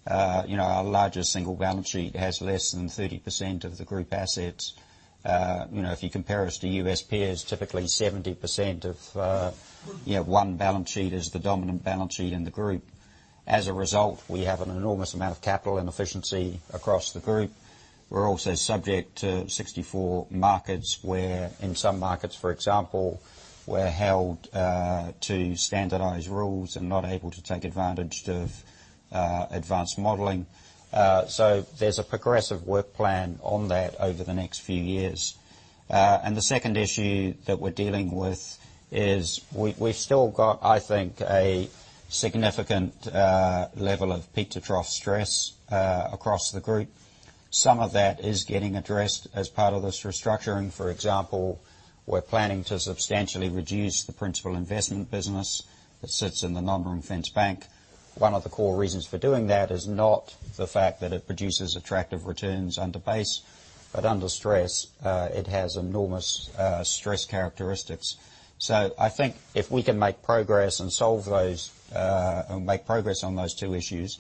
Our largest single balance sheet has less than 30% of the group assets. If you compare us to U.S. peers, typically 70% of one balance sheet is the dominant balance sheet in the group. We have an enormous amount of capital and efficiency across the group. We're also subject to 64 markets where in some markets, for example, we're held to standardized rules and not able to take advantage of advanced modeling. There's a progressive work plan on that over the next few years. The second issue that we're dealing with is we've still got, I think, a significant level of peak-to-trough stress across the group. Some of that is getting addressed as part of this restructuring. For example, we're planning to substantially reduce the principal investment business that sits in the non-ring-fenced bank. One of the core reasons for doing that is not the fact that it produces attractive returns under base, but under stress, it has enormous stress characteristics. I think if we can make progress and solve those, and make progress on those two issues,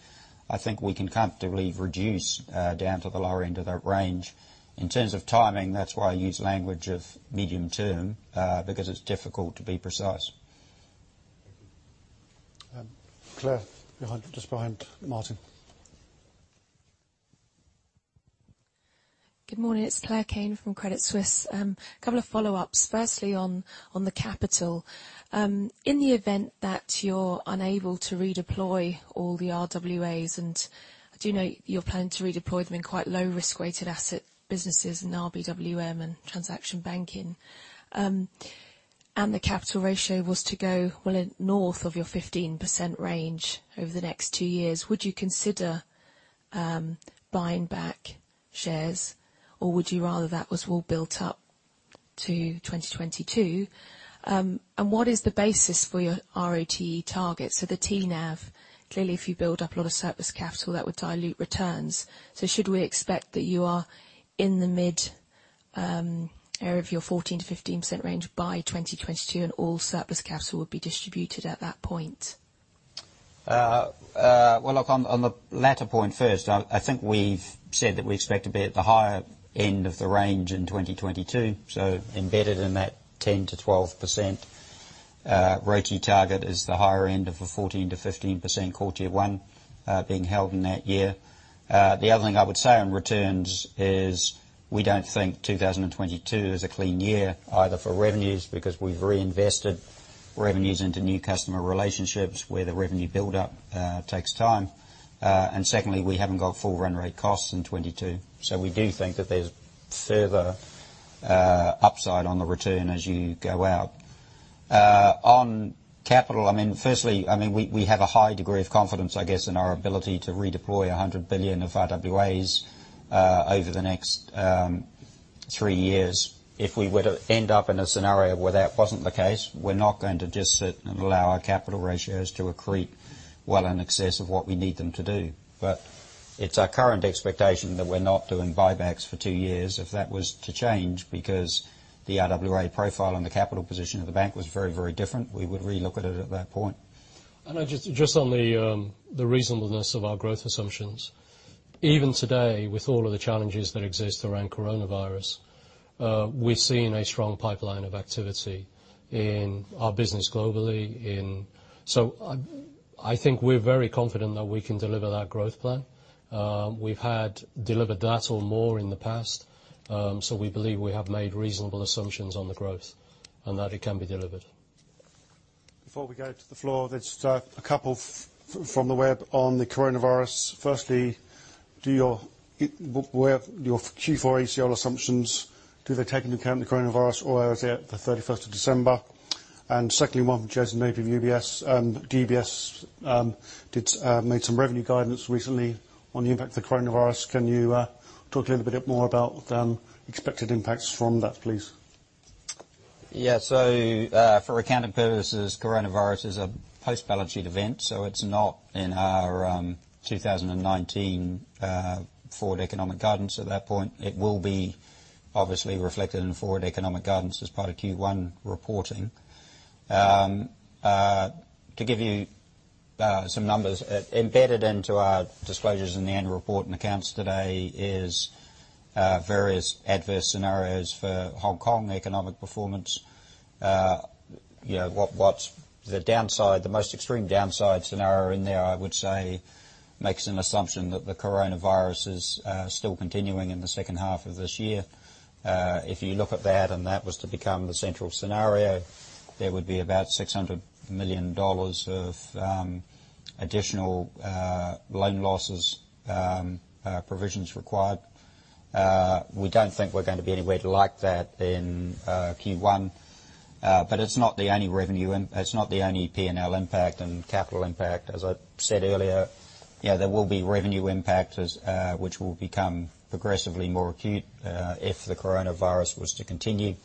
I think we can comfortably reduce down to the lower end of the range. In terms of timing, that's why I use language of medium term, because it's difficult to be precise. Claire, behind, just behind Martin. Good morning, it's Claire Kane from Credit Suisse. I have a couple of follow-ups. Firstly, on the capital. In the event that you're unable to redeploy all the RWAs, I do know you're planning to redeploy them in quite low risk-weighted asset businesses in RBWM and transaction banking. The capital ratio was to go well north of your 15% range over the next two years. Would you consider buying back shares or would you rather that was all built up to 2022? What is the basis for your ROE targets? The TNAV, clearly if you build up a lot of surplus capital, that would dilute returns. Should we expect that you are in the mid area of your 14%-15% range by 2022 and all surplus capital would be distributed at that point? Well, look, on the latter point first, I think we've said that we expect to be at the higher end of the range in 2022. Embedded in that 10%-12% ROE key target is the higher end of a 14%-15% quarter one being held in that year. The other thing I would say on returns is we don't think 2022 is a clean year either for revenues because we've reinvested revenues into new customer relationships where the revenue buildup takes time. Secondly, we haven't got full run rate costs in 2022. We do think that there's further upside on the return as you go out. On capital, firstly, we have a high degree of confidence, I guess, in our ability to redeploy 100 billion of RWAs over the next three years. If we were to end up in a scenario where that wasn't the case, we're not going to just sit and allow our capital ratios to accrete well in excess of what we need them to do. It's our current expectation that we're not doing buybacks for two years. If that was to change because the RWA profile and the capital position of the bank was very different, we would re-look at it at that point. Just on the reasonableness of our growth assumptions. Even today, with all of the challenges that exist around coronavirus, we're seeing a strong pipeline of activity in our business globally. I think we're very confident that we can deliver that growth plan. We've delivered that or more in the past. We believe we have made reasonable assumptions on the growth and that it can be delivered. Before we go to the floor, there's a couple from the web on the coronavirus. Firstly, your Q4 ACL assumptions, do they take into account the coronavirus or is it the 31st of December? Secondly, one from Jason Napier at UBS. DBS made some revenue guidance recently on the impact of the coronavirus. Can you talk a little bit more about expected impacts from that, please? For accounting purposes, coronavirus is a post-balance sheet event, so it's not in our 2019 forward economic guidance at that point. It will be obviously reflected in forward economic guidance as part of Q1 reporting. To give you some numbers, embedded into our disclosures in the annual report and accounts today is various adverse scenarios for Hong Kong economic performance. The most extreme downside scenario in there, I would say, makes an assumption that the coronavirus is still continuing in the second half of this year. If you look at that and that was to become the central scenario, there would be about $600 million of additional loan losses provisions required. We don't think we're going to be anywhere like that in Q1. It's not the only P&L impact and capital impact. As I said earlier, there will be revenue impacts which will become progressively more acute if the coronavirus was to continue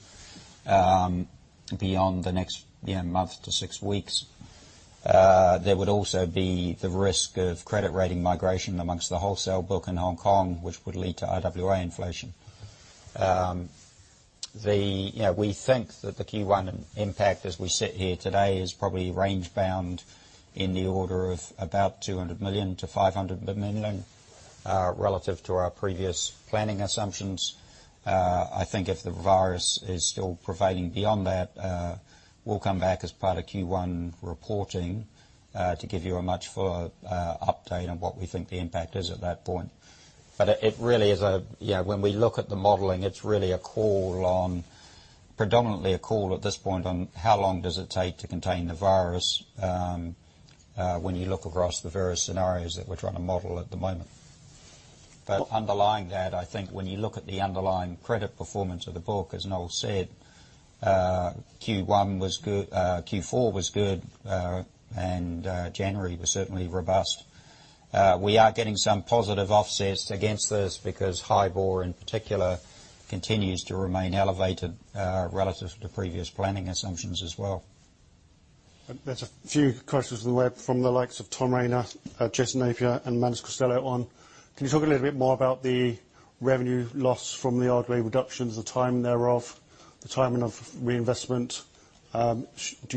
beyond the next month to six weeks. There would also be the risk of credit rating migration amongst the wholesale book in Hong Kong, which would lead to RWA inflation. We think that the Q1 impact as we sit here today is probably range bound in the order of about $200 million-$500 million relative to our previous planning assumptions. I think if the virus is still prevailing beyond that, we'll come back as part of Q1 reporting to give you a much fuller update on what we think the impact is at that point. When we look at the modeling, it's really predominantly a call at this point on how long does it take to contain the virus when you look across the various scenarios that we're trying to model at the moment. Underlying that, I think when you look at the underlying credit performance of the book, as Noel said, Q4 was good, and January was certainly robust. We are getting some positive offsets against this because HIBOR, in particular, continues to remain elevated relative to previous planning assumptions as well. There's a few questions on the web from the likes of Tom Rayner, Jason Napier, and Manus Costello on, can you talk a little bit more about the revenue loss from the RWA reductions, the timing thereof, the timing of reinvestment? Should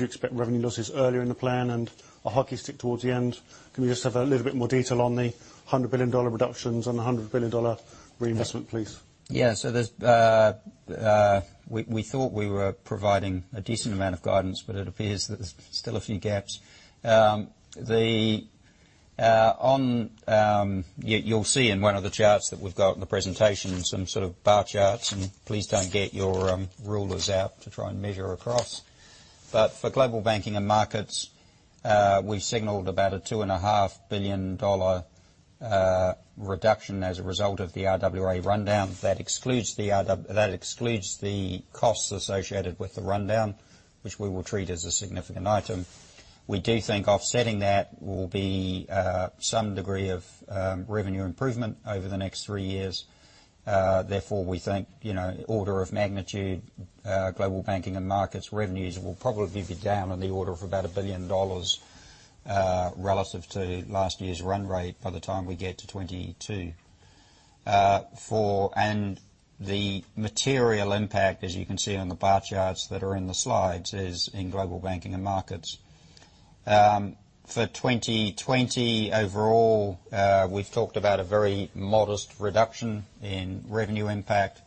you expect revenue losses earlier in the plan and a hockey stick towards the end? Can we just have a little bit more detail on the $100 billion reductions and the $100 billion reinvestment, please? Yeah. We thought we were providing a decent amount of guidance. It appears there's still a few gaps. You'll see in one of the charts that we've got in the presentation, some sort of bar charts. Please don't get your rulers out to try and measure across. For Global Banking and Markets, we signaled about a $2.5 billion reduction as a result of the RWA rundown. That excludes the costs associated with the rundown, which we will treat as a significant item. We do think offsetting that will be some degree of revenue improvement over the next three years. Therefore, we think order of magnitude, Global Banking and Markets revenues will probably be down in the order of about $1 billion relative to last year's run rate by the time we get to 2022. The material impact, as you can see on the bar charts that are in the slides, is in Global Banking and Markets. For 2020 overall, we've talked about a very modest reduction in revenue impact.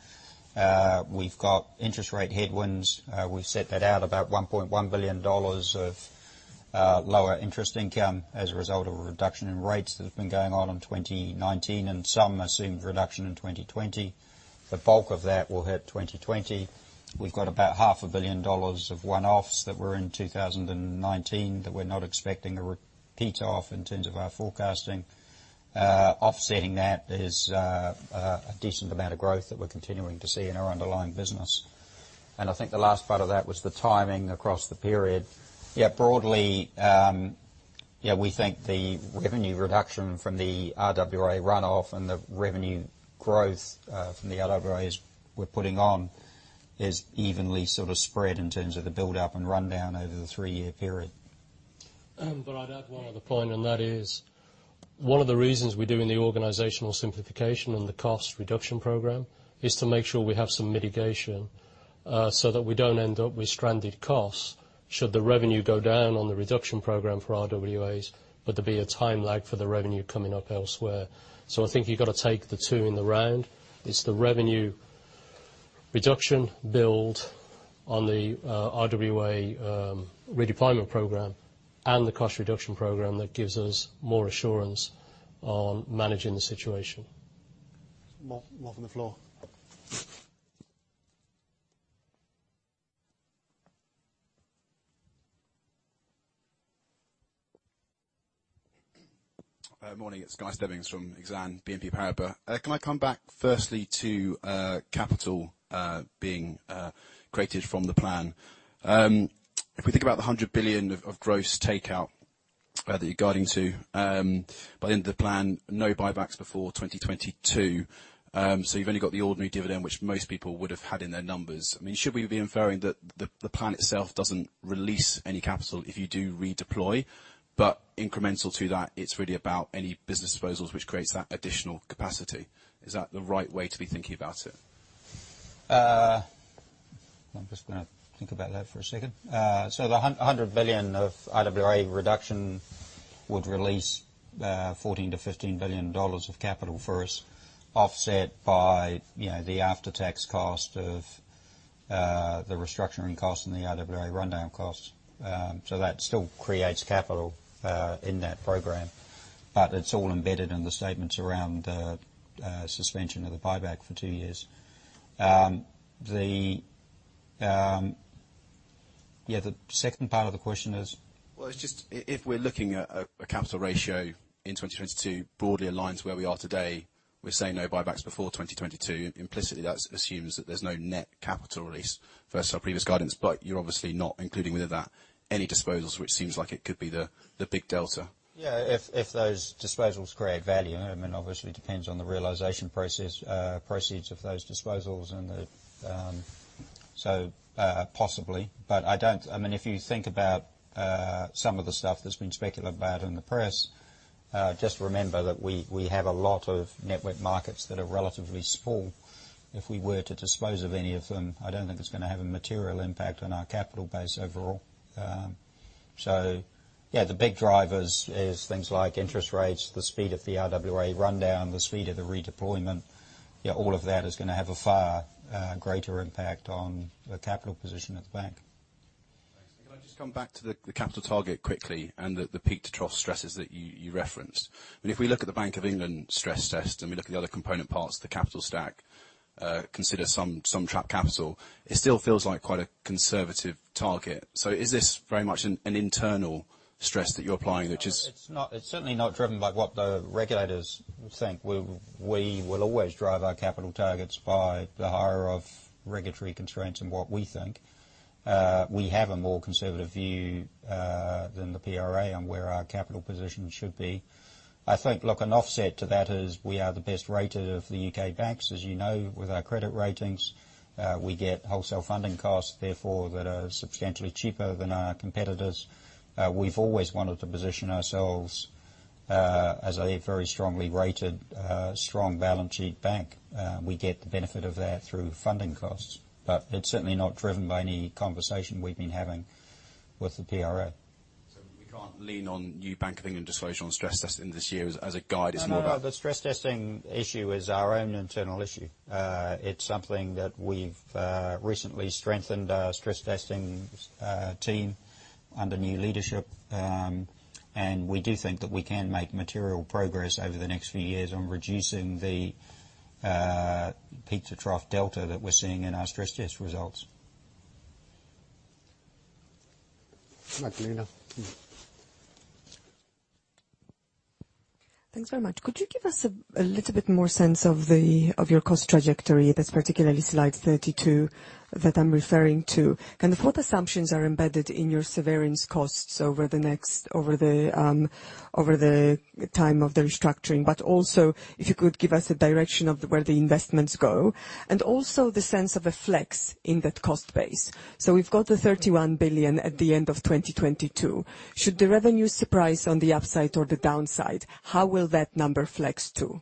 We've got interest rate headwinds. We have set that out about $1.1 billion of lower interest income as a result of a reduction in rates that have been going on in 2019, and some assumed reduction in 2020. The bulk of that will hit 2020. We've got about half a billion dollars of one-offs that were in 2019 that we're not expecting a repeat of in terms of our forecasting. Offsetting that is a decent amount of growth that we're continuing to see in our underlying business. I think the last part of that was the timing across the period. Broadly, we think the revenue reduction from the RWA runoff and the revenue growth from the RWAs we're putting on is evenly sort of spread in terms of the buildup and rundown over the three-year period. I'd add one other point, and that is, one of the reasons we're doing the Organizational Simplification and the Cost Reduction Program is to make sure we have some mitigation, so that we don't end up with stranded costs should the revenue go down on the reduction program for RWAs, but there be a time lag for the revenue coming up elsewhere. I think you've got to take the two in the round. It's the revenue reduction build on the RWA Redeployment Program and the Cost Reduction Program that gives us more assurance on managing the situation. More from the floor. Morning. It's Guy Stebbings from Exane BNP Paribas. Can I come back firstly to capital being created from the plan? If we think about the $100 billion of gross takeout that you're guiding to by the end of the plan, no buybacks before 2022, so you've only got the ordinary dividend, which most people would have had in their numbers. Should we be inferring that the plan itself doesn't release any capital if you do redeploy, but incremental to that, it's really about any business disposals which creates that additional capacity? Is that the right way to be thinking about it? I'm just going to think about that for a second. The 100 billion of RWA reduction would release $14 billion-$15 billion of capital for us, offset by the after-tax cost of the restructuring cost and the RWA rundown cost. That still creates capital in that program, but it's all embedded in the statements around the suspension of the buyback for two years. The second part of the question is? Well, if we're looking at a capital ratio in 2022 broadly aligns where we are today, we're saying no buybacks before 2022. Implicitly, that assumes that there's no net capital release versus our previous guidance, but you're obviously not including within that any disposals, which seems like it could be the big delta. Yeah. If those disposals create value, it obviously depends on the realization proceeds of those disposals. Possibly. If you think about some of the stuff that's been speculated about in the press, just remember that we have a lot of network markets that are relatively small. If we were to dispose of any of them, I don't think it's going to have a material impact on our capital base overall. Yeah, the big drivers is things like interest rates, the speed of the RWA rundown, the speed of the redeployment. All of that is going to have a far greater impact on the capital position of the bank. Can I just come back to the capital target quickly and the peak-to-trough stresses that you referenced? If we look at the Bank of England stress test and we look at the other component parts of the capital stack, consider some trap capital, it still feels like quite a conservative target. Is this very much an internal? Stress that you're applying, which is. It's certainly not driven by what the regulators think. We will always drive our capital targets by the higher of regulatory constraints and what we think. We have a more conservative view than the PRA on where our capital position should be. I think, look, an offset to that is we are the best rated of the U.K. banks, as you know, with our credit ratings. We get wholesale funding costs, therefore, that are substantially cheaper than our competitors. We've always wanted to position ourselves as a very strongly rated, strong balance sheet bank. We get the benefit of that through funding costs. It's certainly not driven by any conversation we've been having with the PRA. We can't lean on new banking disclosure on stress testing this year as a guide. It's more about. No. The stress testing issue is our own internal issue. It's something that we've recently strengthened our stress testing team, under new leadership. We do think that we can make material progress over the next few years on reducing the peak to trough delta that we're seeing in our stress test results. Magdalena. Thanks very much. Could you give us a little bit more sense of your cost trajectory? That's particularly slide 32 that I'm referring to. What assumptions are embedded in your severance costs over the time of the restructuring, but also, if you could give us a direction of where the investments go. The sense of a flex in that cost base. We've got the $31 billion at the end of 2022. Should the revenue surprise on the upside or the downside, how will that number flex too?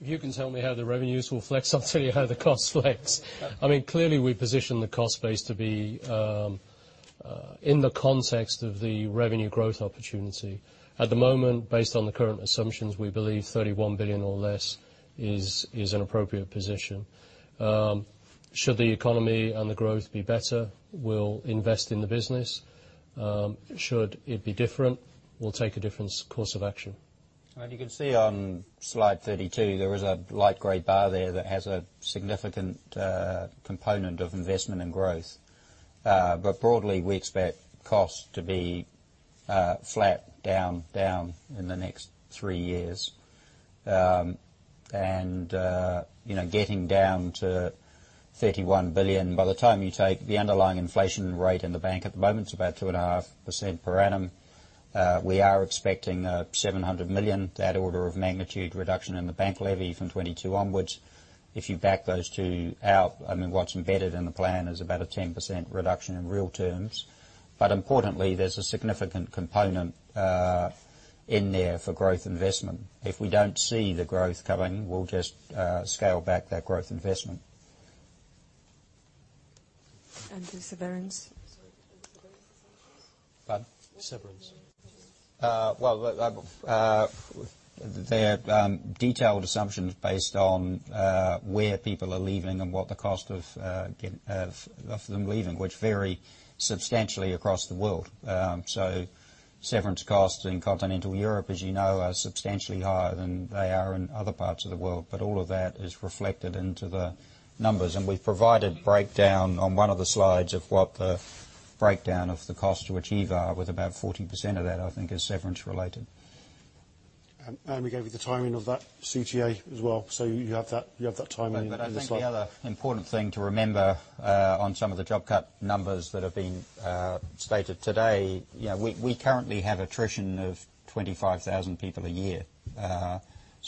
If you can tell me how the revenues will flex, I'll tell you how the costs flex. Clearly, we position the cost base to be in the context of the revenue growth opportunity. At the moment, based on the current assumptions, we believe $31 billion or less is an appropriate position. Should the economy and the growth be better, we'll invest in the business. Should it be different, we'll take a different course of action. You can see on slide 32, there is a light gray bar there that has a significant component of investment and growth. Broadly, we expect costs to be flat, down in the next three years. Getting down to $31 billion. By the time you take the underlying inflation rate in the bank, at the moment, it's about 2.5% per annum. We are expecting $700 million, that order of magnitude reduction in the bank levy from 2022 onwards. If you back those two out, what's embedded in the plan is about a 10% reduction in real terms. Importantly, there's a significant component in there for growth investment. If we don't see the growth coming, we'll just scale back that growth investment. The severance? Sorry, the severance assumptions? Pardon? Severance. They're detailed assumptions based on where people are leaving and what the cost of them leaving, which vary substantially across the world. Severance costs in continental Europe, as you know, are substantially higher than they are in other parts of the world, but all of that is reflected into the numbers. We've provided breakdown on one of the slides of what the breakdown of the cost to achieve are, with about 40% of that, I think, is severance related. We gave you the timing of that CTA as well, so you have that timing in the slide. I think the other important thing to remember on some of the job cut numbers that have been stated today, we currently have attrition of 25,000 people a year.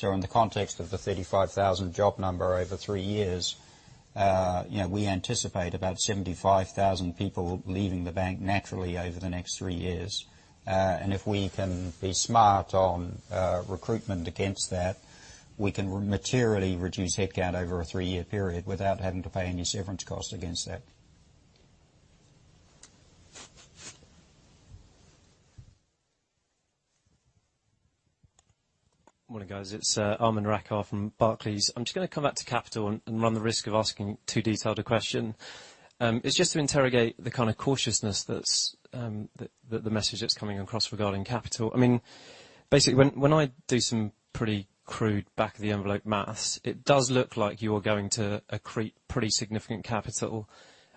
In the context of the 35,000 job number over three years, we anticipate about 75,000 people leaving the bank naturally over the next three years. If we can be smart on recruitment against that, we can materially reduce headcount over a three-year period without having to pay any severance cost against that. Morning, guys. It's Aman Rakkar from Barclays. I'm just going to come back to capital and run the risk of asking too detailed a question. It's just to interrogate the kind of cautiousness that the message that's coming across regarding capital. Basically, when I do some pretty crude back of the envelope math, it does look like you're going to accrete pretty significant capital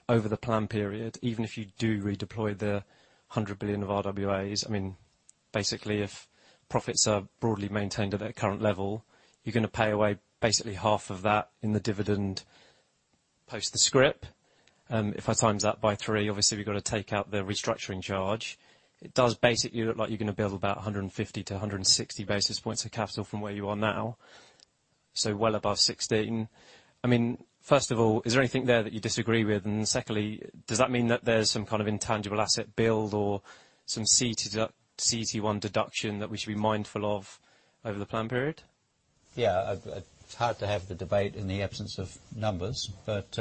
over the plan period, even if you do redeploy the $100 billion of RWAs. Basically, if profits are broadly maintained at their current level, you're going to pay away basically half of that in the dividend post the scrip. If I times that by three, obviously we've got to take out the restructuring charge. It does basically look like you're going to build about 150-160 basis points of capital from where you are now. Well above 16. First of all, is there anything there that you disagree with? Secondly, does that mean that there's some kind of intangible asset build or some CET1 deduction that we should be mindful of over the plan period? Yeah. It's hard to have the debate in the absence of numbers, but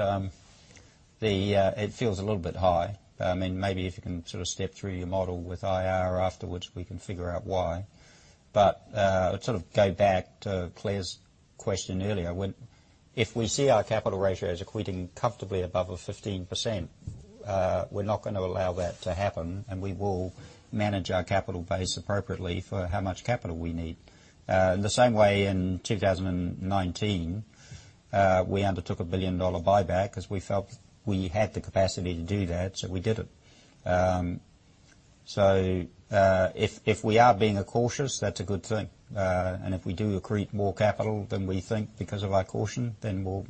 it feels a little bit high. Maybe if you can sort of step through your model with IR afterwards, we can figure out why. To sort of go back to Claire's question earlier. If we see our capital ratios equating comfortably above 15%, we're not going to allow that to happen, and we will manage our capital base appropriately for how much capital we need. In the same way in 2019, we undertook a billion-dollar buyback because we felt we had the capacity to do that, so we did it. If we are being cautious, that's a good thing. If we do accrete more capital than we think because of our caution, then we'll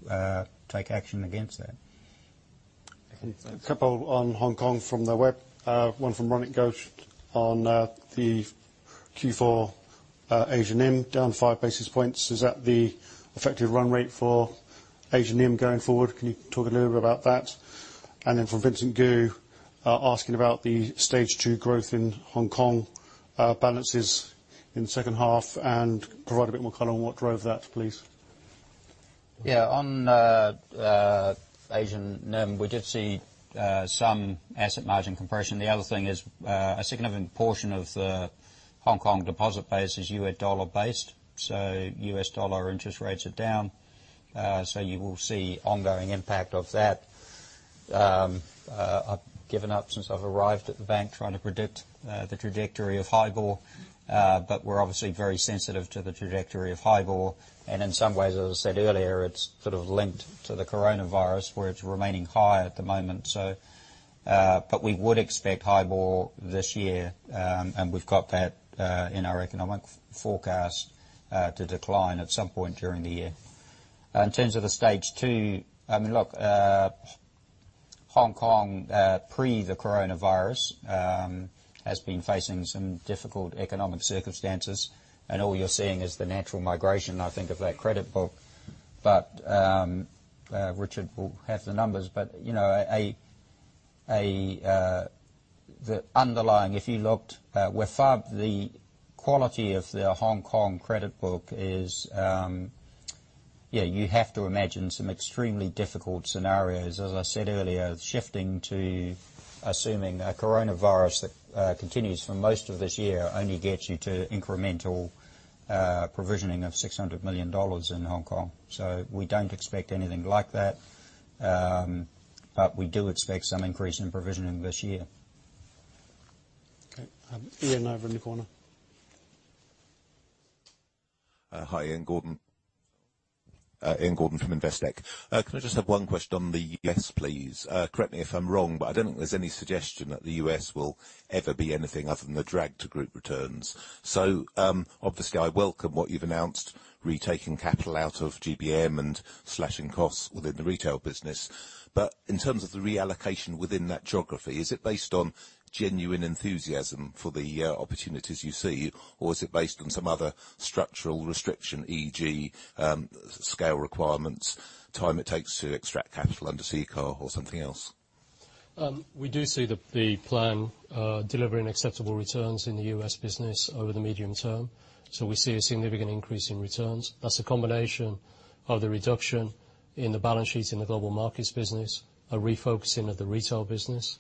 take action against that. A couple on Hong Kong from the web. One from Ronit Ghose on the Q4 Asian NIM down five basis points. Is that the effective run rate for Asian NIM going forward? Can you talk a little bit about that? From Vincent Gu, asking about the stage 2 growth in Hong Kong balances in the second half, and provide a bit more color on what drove that, please. Yeah, on Asian NIM, we did see some asset margin compression. The other thing is, a significant portion of the Hong Kong deposit base is U.S. dollar based. U.S. dollar interest rates are down, so you will see ongoing impact of that. I've given up since I've arrived at the bank, trying to predict the trajectory of HIBOR, but we're obviously very sensitive to the trajectory of HIBOR. In some ways, as I said earlier, it's sort of linked to the coronavirus, where it's remaining high at the moment. We would expect HIBOR this year, and we've got that in our economic forecast, to decline at some point during the year. In terms of the stage 2, look, Hong Kong, pre the coronavirus, has been facing some difficult economic circumstances, and all you're seeing is the natural migration, I think, of that credit book. Richard will have the numbers. The underlying, if you looked, the quality of their Hong Kong credit book is. You have to imagine some extremely difficult scenarios. As I said earlier, shifting to assuming a coronavirus that continues for most of this year only gets you to incremental provisioning of $600 million in Hong Kong. We don't expect anything like that. We do expect some increase in provisioning this year. Okay. Ian, over in the corner. Hi. Ian Gordon from Investec. Can I just have one question on the U.S., please? Correct me if I'm wrong, I don't think there's any suggestion that the U.S. will ever be anything other than a drag to group returns. Obviously, I welcome what you've announced, retaking capital out of GBM and slashing costs within the retail business. In terms of the reallocation within that geography, is it based on genuine enthusiasm for the opportunities you see, or is it based on some other structural restriction, e.g. scale requirements, time it takes to extract capital under CECL or something else? We do see the plan delivering acceptable returns in the U.S. business over the medium term. We see a significant increase in returns. That's a combination of the reduction in the balance sheet in the Global Markets business, a refocusing of the retail business.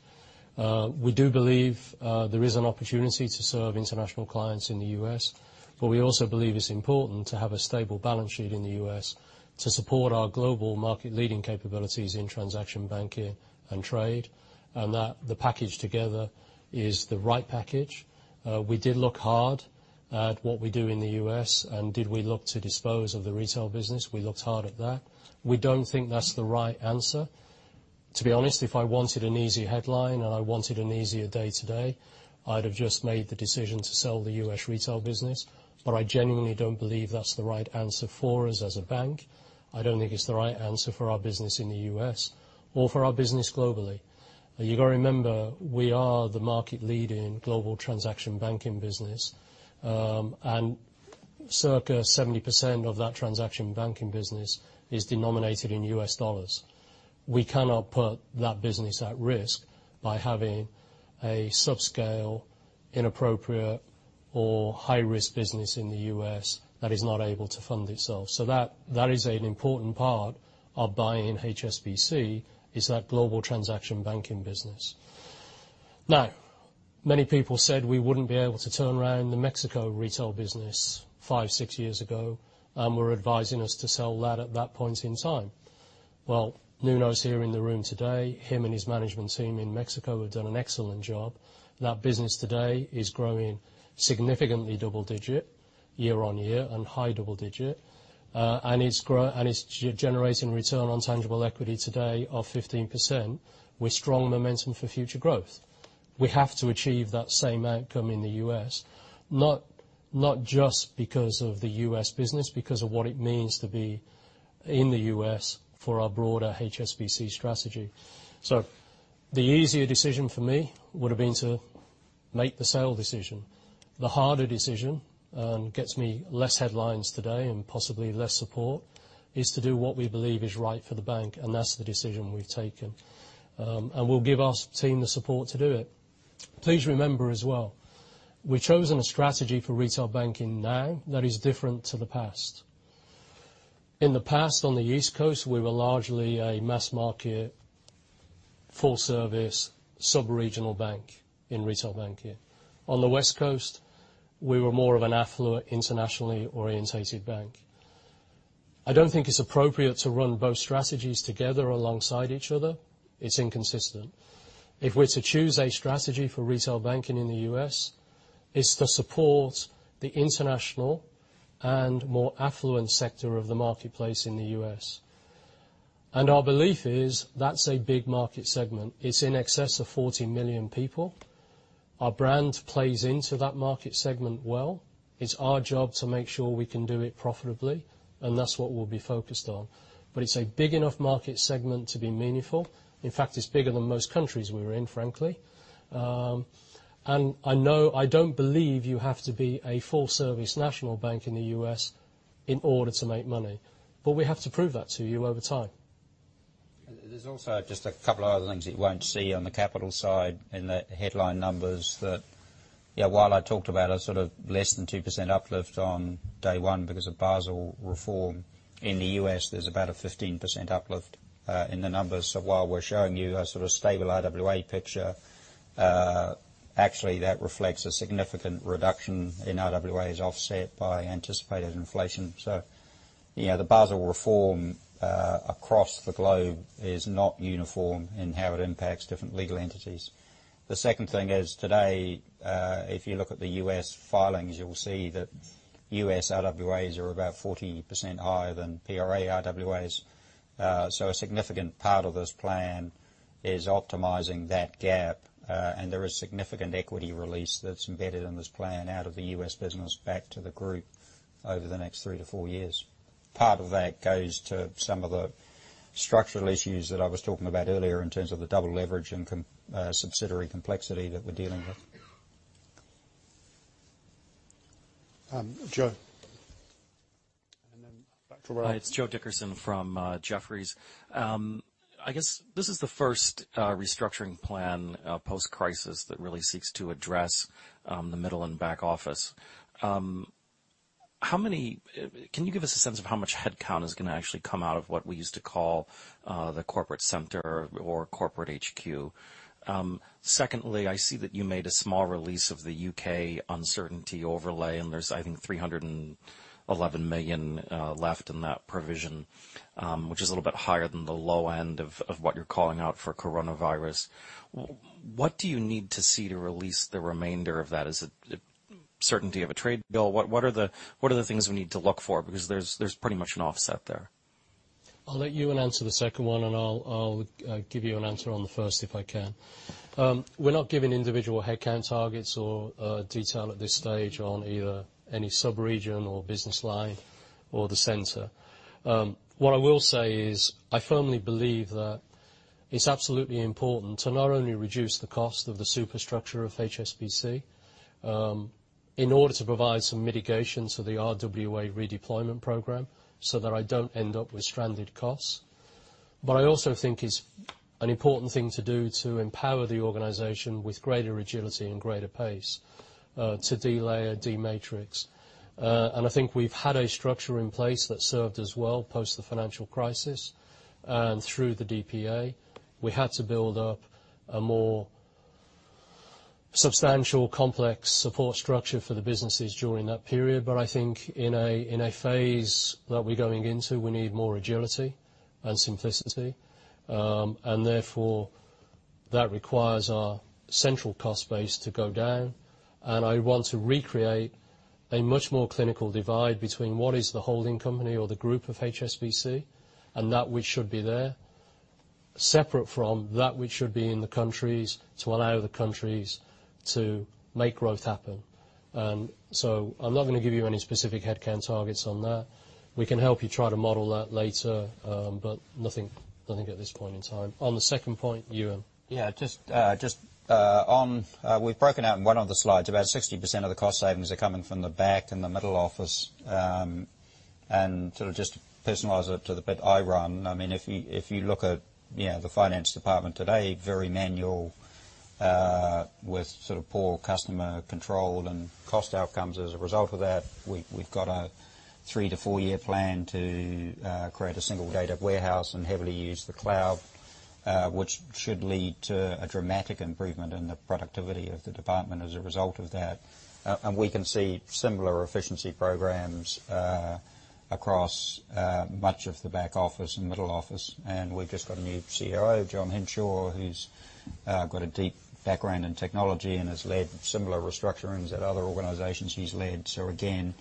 We do believe there is an opportunity to serve international clients in the U.S., but we also believe it's important to have a stable balance sheet in the U.S. to support our global market leading capabilities in transaction banking and trade. That the package together is the right package. We did look hard at what we do in the U.S., and did we look to dispose of the retail business? We looked hard at that. We don't think that's the right answer. To be honest, if I wanted an easy headline and I wanted an easier day today, I'd have just made the decision to sell the U.S. retail business. I genuinely don't believe that's the right answer for us as a bank. I don't think it's the right answer for our business in the U.S. or for our business globally. You've got to remember, we are the market lead in Global Transaction Banking business. Circa 70% of that transaction banking business is denominated in U.S. dollars. We cannot put that business at risk by having a subscale, inappropriate or high-risk business in the U.S. that is not able to fund itself. That is an important part of buying HSBC, is that Global Transaction Banking business. Many people said we wouldn't be able to turn around the Mexico retail business five, six years ago and were advising us to sell that at that point in time. Nuno is here in the room today. Him and his management team in Mexico have done an excellent job. That business today is growing significantly double-digit year on year, high double-digit. It's generating return on tangible equity today of 15% with strong momentum for future growth. We have to achieve that same outcome in the U.S., not just because of the U.S. business, because of what it means to be in the U.S. for our broader HSBC strategy. The easier decision for me would have been to make the sale decision. The harder decision, and gets me less headlines today and possibly less support, is to do what we believe is right for the bank, and that's the decision we've taken. We'll give our team the support to do it. Please remember as well, we've chosen a strategy for retail banking now that is different to the past. In the past, on the East Coast, we were largely a mass market, full service, sub-regional bank in retail banking. On the West Coast, we were more of an affluent, internationally orientated bank. I don't think it's appropriate to run both strategies together alongside each other. It's inconsistent. If we're to choose a strategy for retail banking in the U.S., it's to support the international and more affluent sector of the marketplace in the U.S. Our belief is that's a big market segment. It's in excess of 40 million people. Our brand plays into that market segment well. It's our job to make sure we can do it profitably, and that's what we'll be focused on. It's a big enough market segment to be meaningful. In fact, it's bigger than most countries we're in, frankly. I don't believe you have to be a full-service national bank in the U.S. in order to make money, but we have to prove that to you over time. There's also just a couple of other things that you won't see on the capital side in the headline numbers that, while I talked about a less than 2% uplift on day one because of Basel reform, in the U.S., there's about a 15% uplift in the numbers. While we're showing you a stable RWA picture, actually that reflects a significant reduction in RWAs offset by anticipated inflation. The Basel reform across the globe is not uniform in how it impacts different legal entities. The second thing is, today, if you look at the U.S. filings, you'll see that U.S. RWAs are about 40% higher than PRA RWAs. A significant part of this plan is optimizing that gap, and there is significant equity release that's embedded in this plan out of the U.S. business back to the group over the next three to four years. Part of that goes to some of the structural issues that I was talking about earlier in terms of the double leverage and subsidiary complexity that we're dealing with. Joe, and then back to Ralph. It's Joseph Dickerson from Jefferies. I guess this is the first restructuring plan post-crisis that really seeks to address the middle and back office. Can you give us a sense of how much headcount is going to actually come out of what we used to call the corporate center or corporate HQ? Secondly, I see that you made a small release of the U.K. uncertainty overlay, and there's, I think, 311 million left in that provision, which is a little bit higher than the low end of what you're calling out for coronavirus. What do you need to see to release the remainder of that? Is it certainty of a trade bill? What are the things we need to look for? Because there's pretty much an offset there. I'll let Ewen answer the second one, and I'll give you an answer on the first, if I can. We're not giving individual headcount targets or detail at this stage on either any sub-region or business line or the center. What I will say is, I firmly believe that it's absolutely important to not only reduce the cost of the superstructure of HSBC in order to provide some mitigation to the RWA redeployment program so that I don't end up with stranded costs. I also think it's an important thing to do to empower the organization with greater agility and greater pace to delayer, dematrix. I think we've had a structure in place that served us well post the financial crisis and through the DPA. We had to build up a more substantial, complex support structure for the businesses during that period. I think in a phase that we're going into, we need more agility and simplicity. Therefore, that requires our central cost base to go down, I want to recreate a much more clinical divide between what is the holding company or the group of HSBC and that which should be there, separate from that which should be in the countries to allow the countries to make growth happen. So I'm not going to give you any specific headcount targets on that. We can help you try to model that later, but nothing at this point in time. On the second point, Ewen. Yeah. We've broken out in one of the slides, about 60% of the cost savings are coming from the back and the middle office. To just personalize it to the bit I run, if you look at the finance department today, very manual with poor customer control and cost outcomes as a result of that. We've got a three-to-four-year plan to create a single data warehouse and heavily use the cloud, which should lead to a dramatic improvement in the productivity of the department as a result of that. We can see similar efficiency programs across much of the back office and middle office. We've just got a new COO, John Hinshaw, who's got a deep background in technology and has led similar restructurings at other organizations he's led. Again,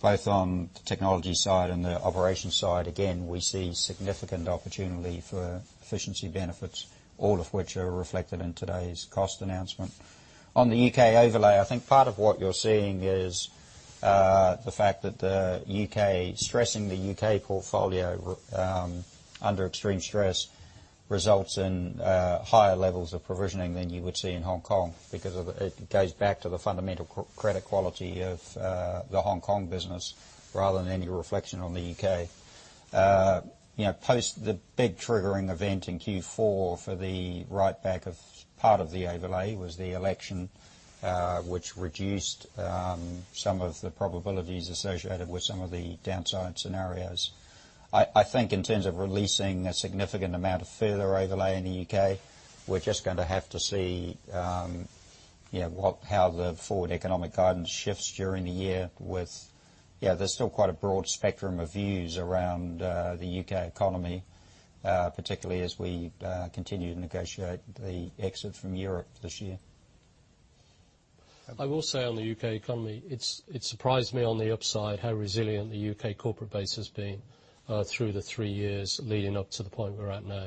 both on the technology side and the operations side, again, we see significant opportunity for efficiency benefits, all of which are reflected in today's cost announcement. On the U.K. overlay, I think part of what you're seeing is the fact that stressing the U.K. portfolio under extreme stress results in higher levels of provisioning than you would see in Hong Kong, because it goes back to the fundamental credit quality of the Hong Kong business rather than any reflection on the U.K. Post the big triggering event in Q4 for the write back of part of the overlay was the election, which reduced some of the probabilities associated with some of the downside scenarios. I think in terms of releasing a significant amount of further overlay in the U.K., we're just going to have to see how the forward economic guidance shifts during the year. There's still quite a broad spectrum of views around the U.K. economy, particularly as we continue to negotiate the exit from Europe this year. I will say on the U.K. economy, it surprised me on the upside how resilient the U.K. corporate base has been through the three years leading up to the point we're at now.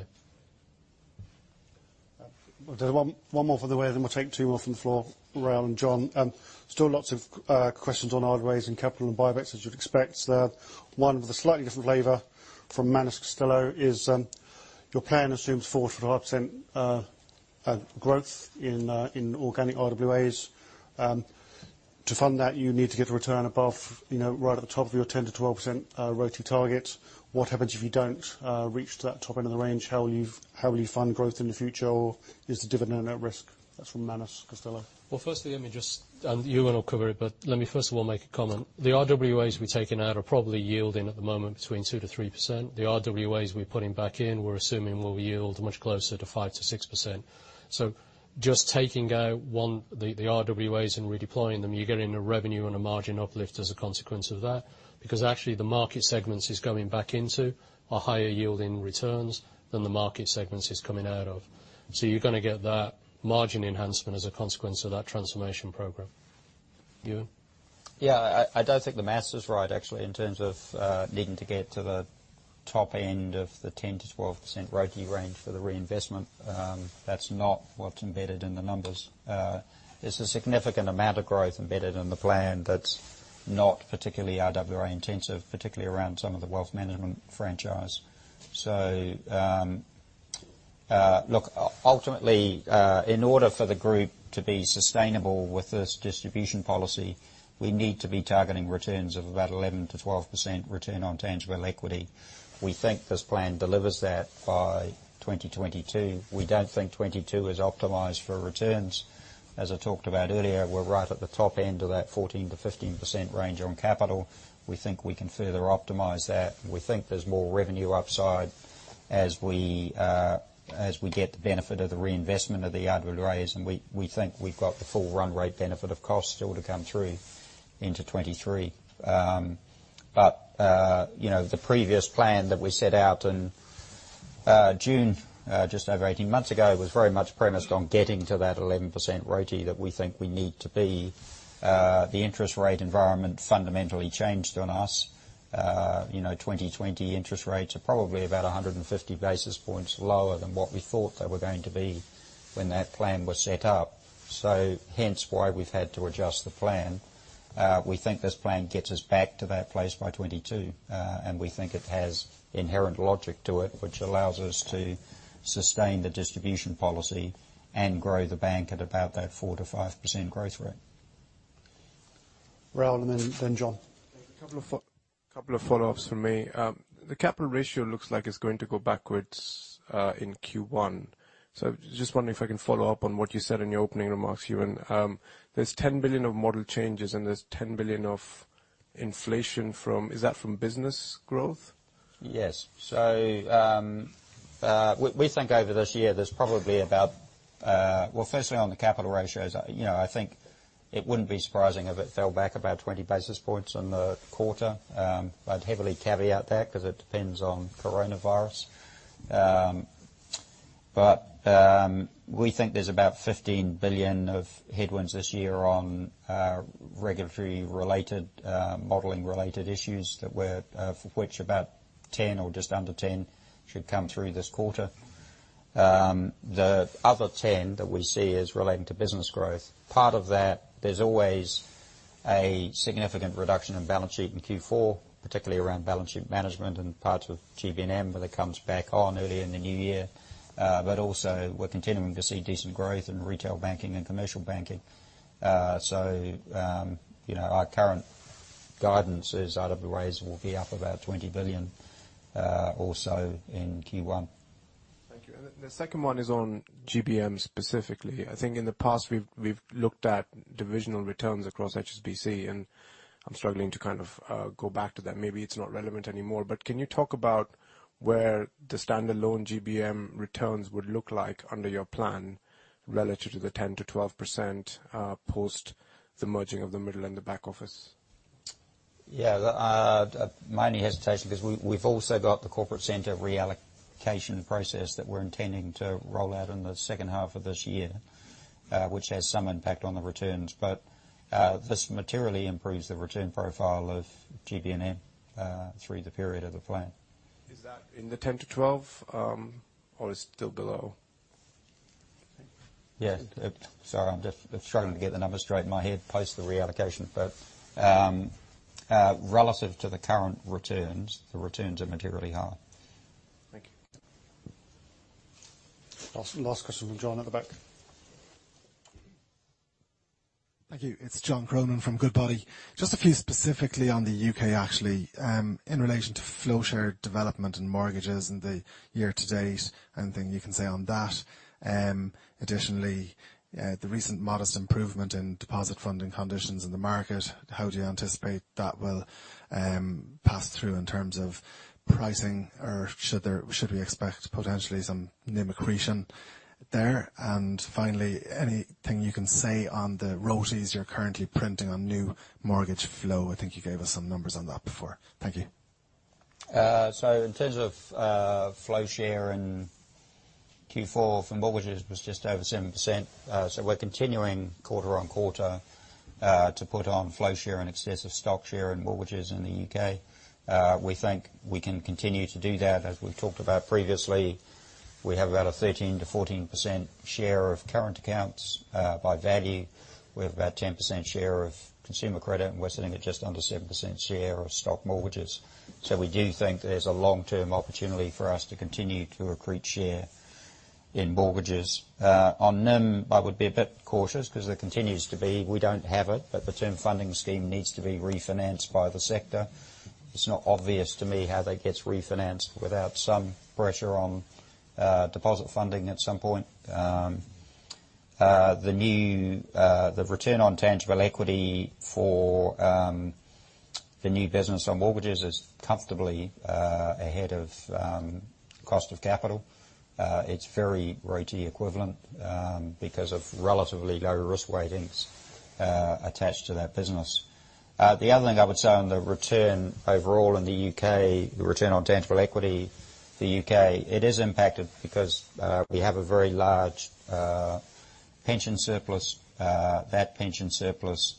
There's one more from the waiting. We'll take two more from the floor. Ra; ph and John. Still lots of questions on hard raising capital and buybacks, as you'd expect. One with a slightly different flavor from Manus Costello is, your plan assumes 4%-5% growth in organic RWAs. To fund that, you need to get a return above, right at the top of your 10%-12% ROTI target. What happens if you don't reach to that top end of the range? How will you fund growth in the future? Is the dividend at risk? That's from Manus Costello. Firstly, let me just Ewen will cover it, but let me first of all make a comment. The RWAs we're taking out are probably yielding at the moment between 2%-3%. The RWAs we're putting back in, we're assuming will yield much closer to 5%-6%. Just taking out the RWAs and redeploying them, you're getting a revenue and a margin uplift as a consequence of that, because actually the market segments it's going back into are higher yielding returns than the market segments it's coming out of. You're going to get that margin enhancement as a consequence of that transformation program. Ewen? Yeah, I don't think the math is right actually, in terms of needing to get to the top end of the 10%-12% ROTE range for the reinvestment. That's not what's embedded in the numbers. There's a significant amount of growth embedded in the plan that's not particularly RWA intensive, particularly around some of the wealth management franchise. Look, ultimately, in order for the group to be sustainable with this distribution policy, we need to be targeting returns of about 11%-12% return on tangible equity. We think this plan delivers that by 2022. We don't think 2022 is optimized for returns. As I talked about earlier, we're right at the top end of that 14%-15% range on capital. We think we can further optimize that. We think there's more revenue upside as we get the benefit of the reinvestment of the RWAs, and we think we've got the full run rate benefit of cost still to come through into 2023. The previous plan that we set out in June, just over 18 months ago, was very much premised on getting to that 11% ROTE that we think we need to be. The interest rate environment fundamentally changed on us. 2020 interest rates are probably about 150 basis points lower than what we thought they were going to be when that plan was set up. Hence why we've had to adjust the plan. We think this plan gets us back to that place by 2022. We think it has inherent logic to it, which allows us to sustain the distribution policy and grow the bank at about that 4%-5% growth rate. Ralph, and then John. A couple of follow-ups from me. The capital ratio looks like it's going to go backwards in Q1. Just wondering if I can follow up on what you said in your opening remarks, Ewen. There's $10 billion of model changes and there's $10 billion of inflation. Is that from business growth? Yes. We think over this year, there's probably about Well, firstly on the capital ratios, I think it wouldn't be surprising if it fell back about 20 basis points in the quarter. I'd heavily caveat that because it depends on coronavirus. We think there's about $15 billion of headwinds this year on regulatory related, modeling related issues of which about $10 or just under $10 should come through this quarter. The other $10 that we see is relating to business growth. Part of that, there's always a significant reduction in balance sheet in Q4, particularly around balance sheet management and parts of GB&M, but it comes back on early in the new year. Also we're continuing to see decent growth in retail banking and Commercial Banking. Our current guidance is RWAs will be up about $20 billion or so in Q1. Thank you. The second one is on GBM specifically. I think in the past, we've looked at divisional returns across HSBC, and I'm struggling to go back to that. Maybe it's not relevant anymore. Can you talk about where the standalone GBM returns would look like under your plan relative to the 10%-12% post the merging of the middle and the back office? Yeah. My only hesitation, because we've also got the corporate center reallocation process that we're intending to roll out in the second half of this year, which has some impact on the returns. This materially improves the return profile of GB&M through the period of the plan. Is that in the 10%-12% or is it still below? Yeah. Sorry, I'm just struggling to get the numbers straight in my head post the reallocation. Relative to the current returns, the returns are materially higher. Thank you. Last question from John at the back. Thank you. It's John Cronin from Goodbody. Just a few specifically on the U.K., actually, in relation to flow share development and mortgages and the year to date, anything you can say on that? Additionally, the recent modest improvement in deposit funding conditions in the market, how do you anticipate that will pass through in terms of pricing, or should we expect potentially some NIM accretion there? Finally, anything you can say on the ROTIs you're currently printing on new mortgage flow? I think you gave us some numbers on that before. Thank you. In terms of flow share in Q4 from mortgages was just over 7%. We're continuing quarter-on-quarter to put on flow share in excess of stock share and mortgages in the U.K. We think we can continue to do that. As we've talked about previously, we have about a 13%-14% share of current accounts, by value. We have about 10% share of consumer credit, and we're sitting at just under 7% share of stock mortgages. We do think there's a long-term opportunity for us to continue to accrete share in mortgages. On NIM, I would be a bit cautious because there continues to be, we don't have it, but the Term Funding Scheme needs to be refinanced by the sector. It's not obvious to me how that gets refinanced without some pressure on deposit funding at some point. The return on tangible equity for the new business on mortgages is comfortably ahead of cost of capital. It's very ROTE equivalent, because of relatively low risk weightings attached to that business. The other thing I would say on the return overall in the U.K., the return on tangible equity, the U.K., it is impacted because we have a very large pension surplus. That pension surplus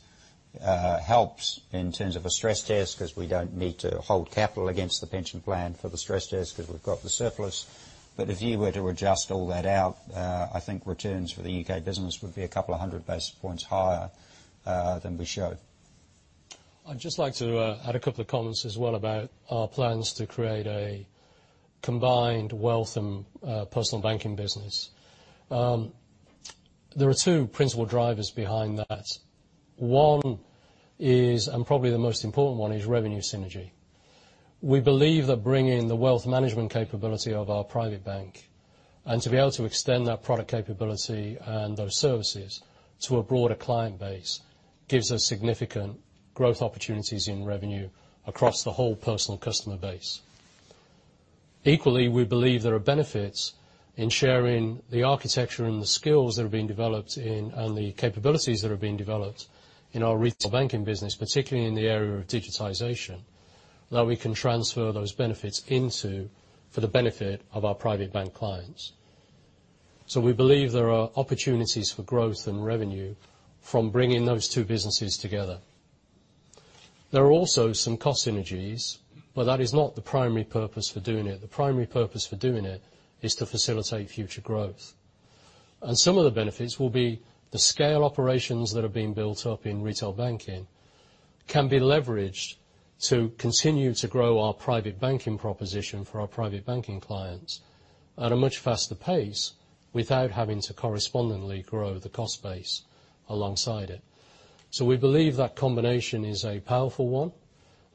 helps in terms of a stress test because we don't need to hold capital against the pension plan for the stress test because we've got the surplus. If you were to adjust all that out, I think returns for the U.K. business would be a couple of hundred basis points higher than we showed. I'd just like to add a couple of comments as well about our plans to create a combined Wealth and Personal Banking business. There are two principal drivers behind that. One is, and probably the most important one, is revenue synergy. We believe that bringing the wealth management capability of our private bank, and to be able to extend that product capability and those services to a broader client base gives us significant growth opportunities in revenue across the whole personal customer base. Equally, we believe there are benefits in sharing the architecture and the skills that are being developed in, and the capabilities that are being developed in our retail banking business, particularly in the area of digitization, that we can transfer those benefits into for the benefit of our private bank clients. We believe there are opportunities for growth and revenue from bringing those two businesses together. There are also some cost synergies, but that is not the primary purpose for doing it. The primary purpose for doing it is to facilitate future growth. Some of the benefits will be the scale operations that are being built up in Retail Banking can be leveraged to continue to grow our Private Banking proposition for our Private Banking clients at a much faster pace without having to correspondingly grow the cost base alongside it. We believe that combination is a powerful one.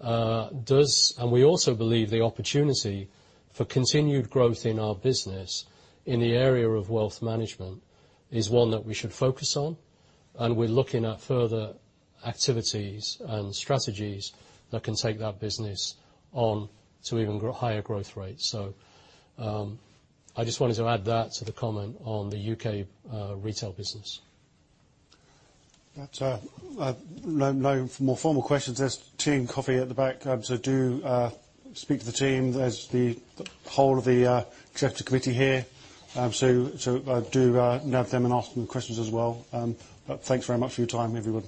We also believe the opportunity for continued growth in our business in the area of Wealth Management is one that we should focus on, and we're looking at further activities and strategies that can take that business on to even higher growth rates. I just wanted to add that to the comment on the U.K. Retail business. That's no more formal questions. There's tea and coffee at the back, so do speak to the team. There's the whole of the executive committee here. Do nab them and ask them questions as well. Thanks very much for your time, everyone.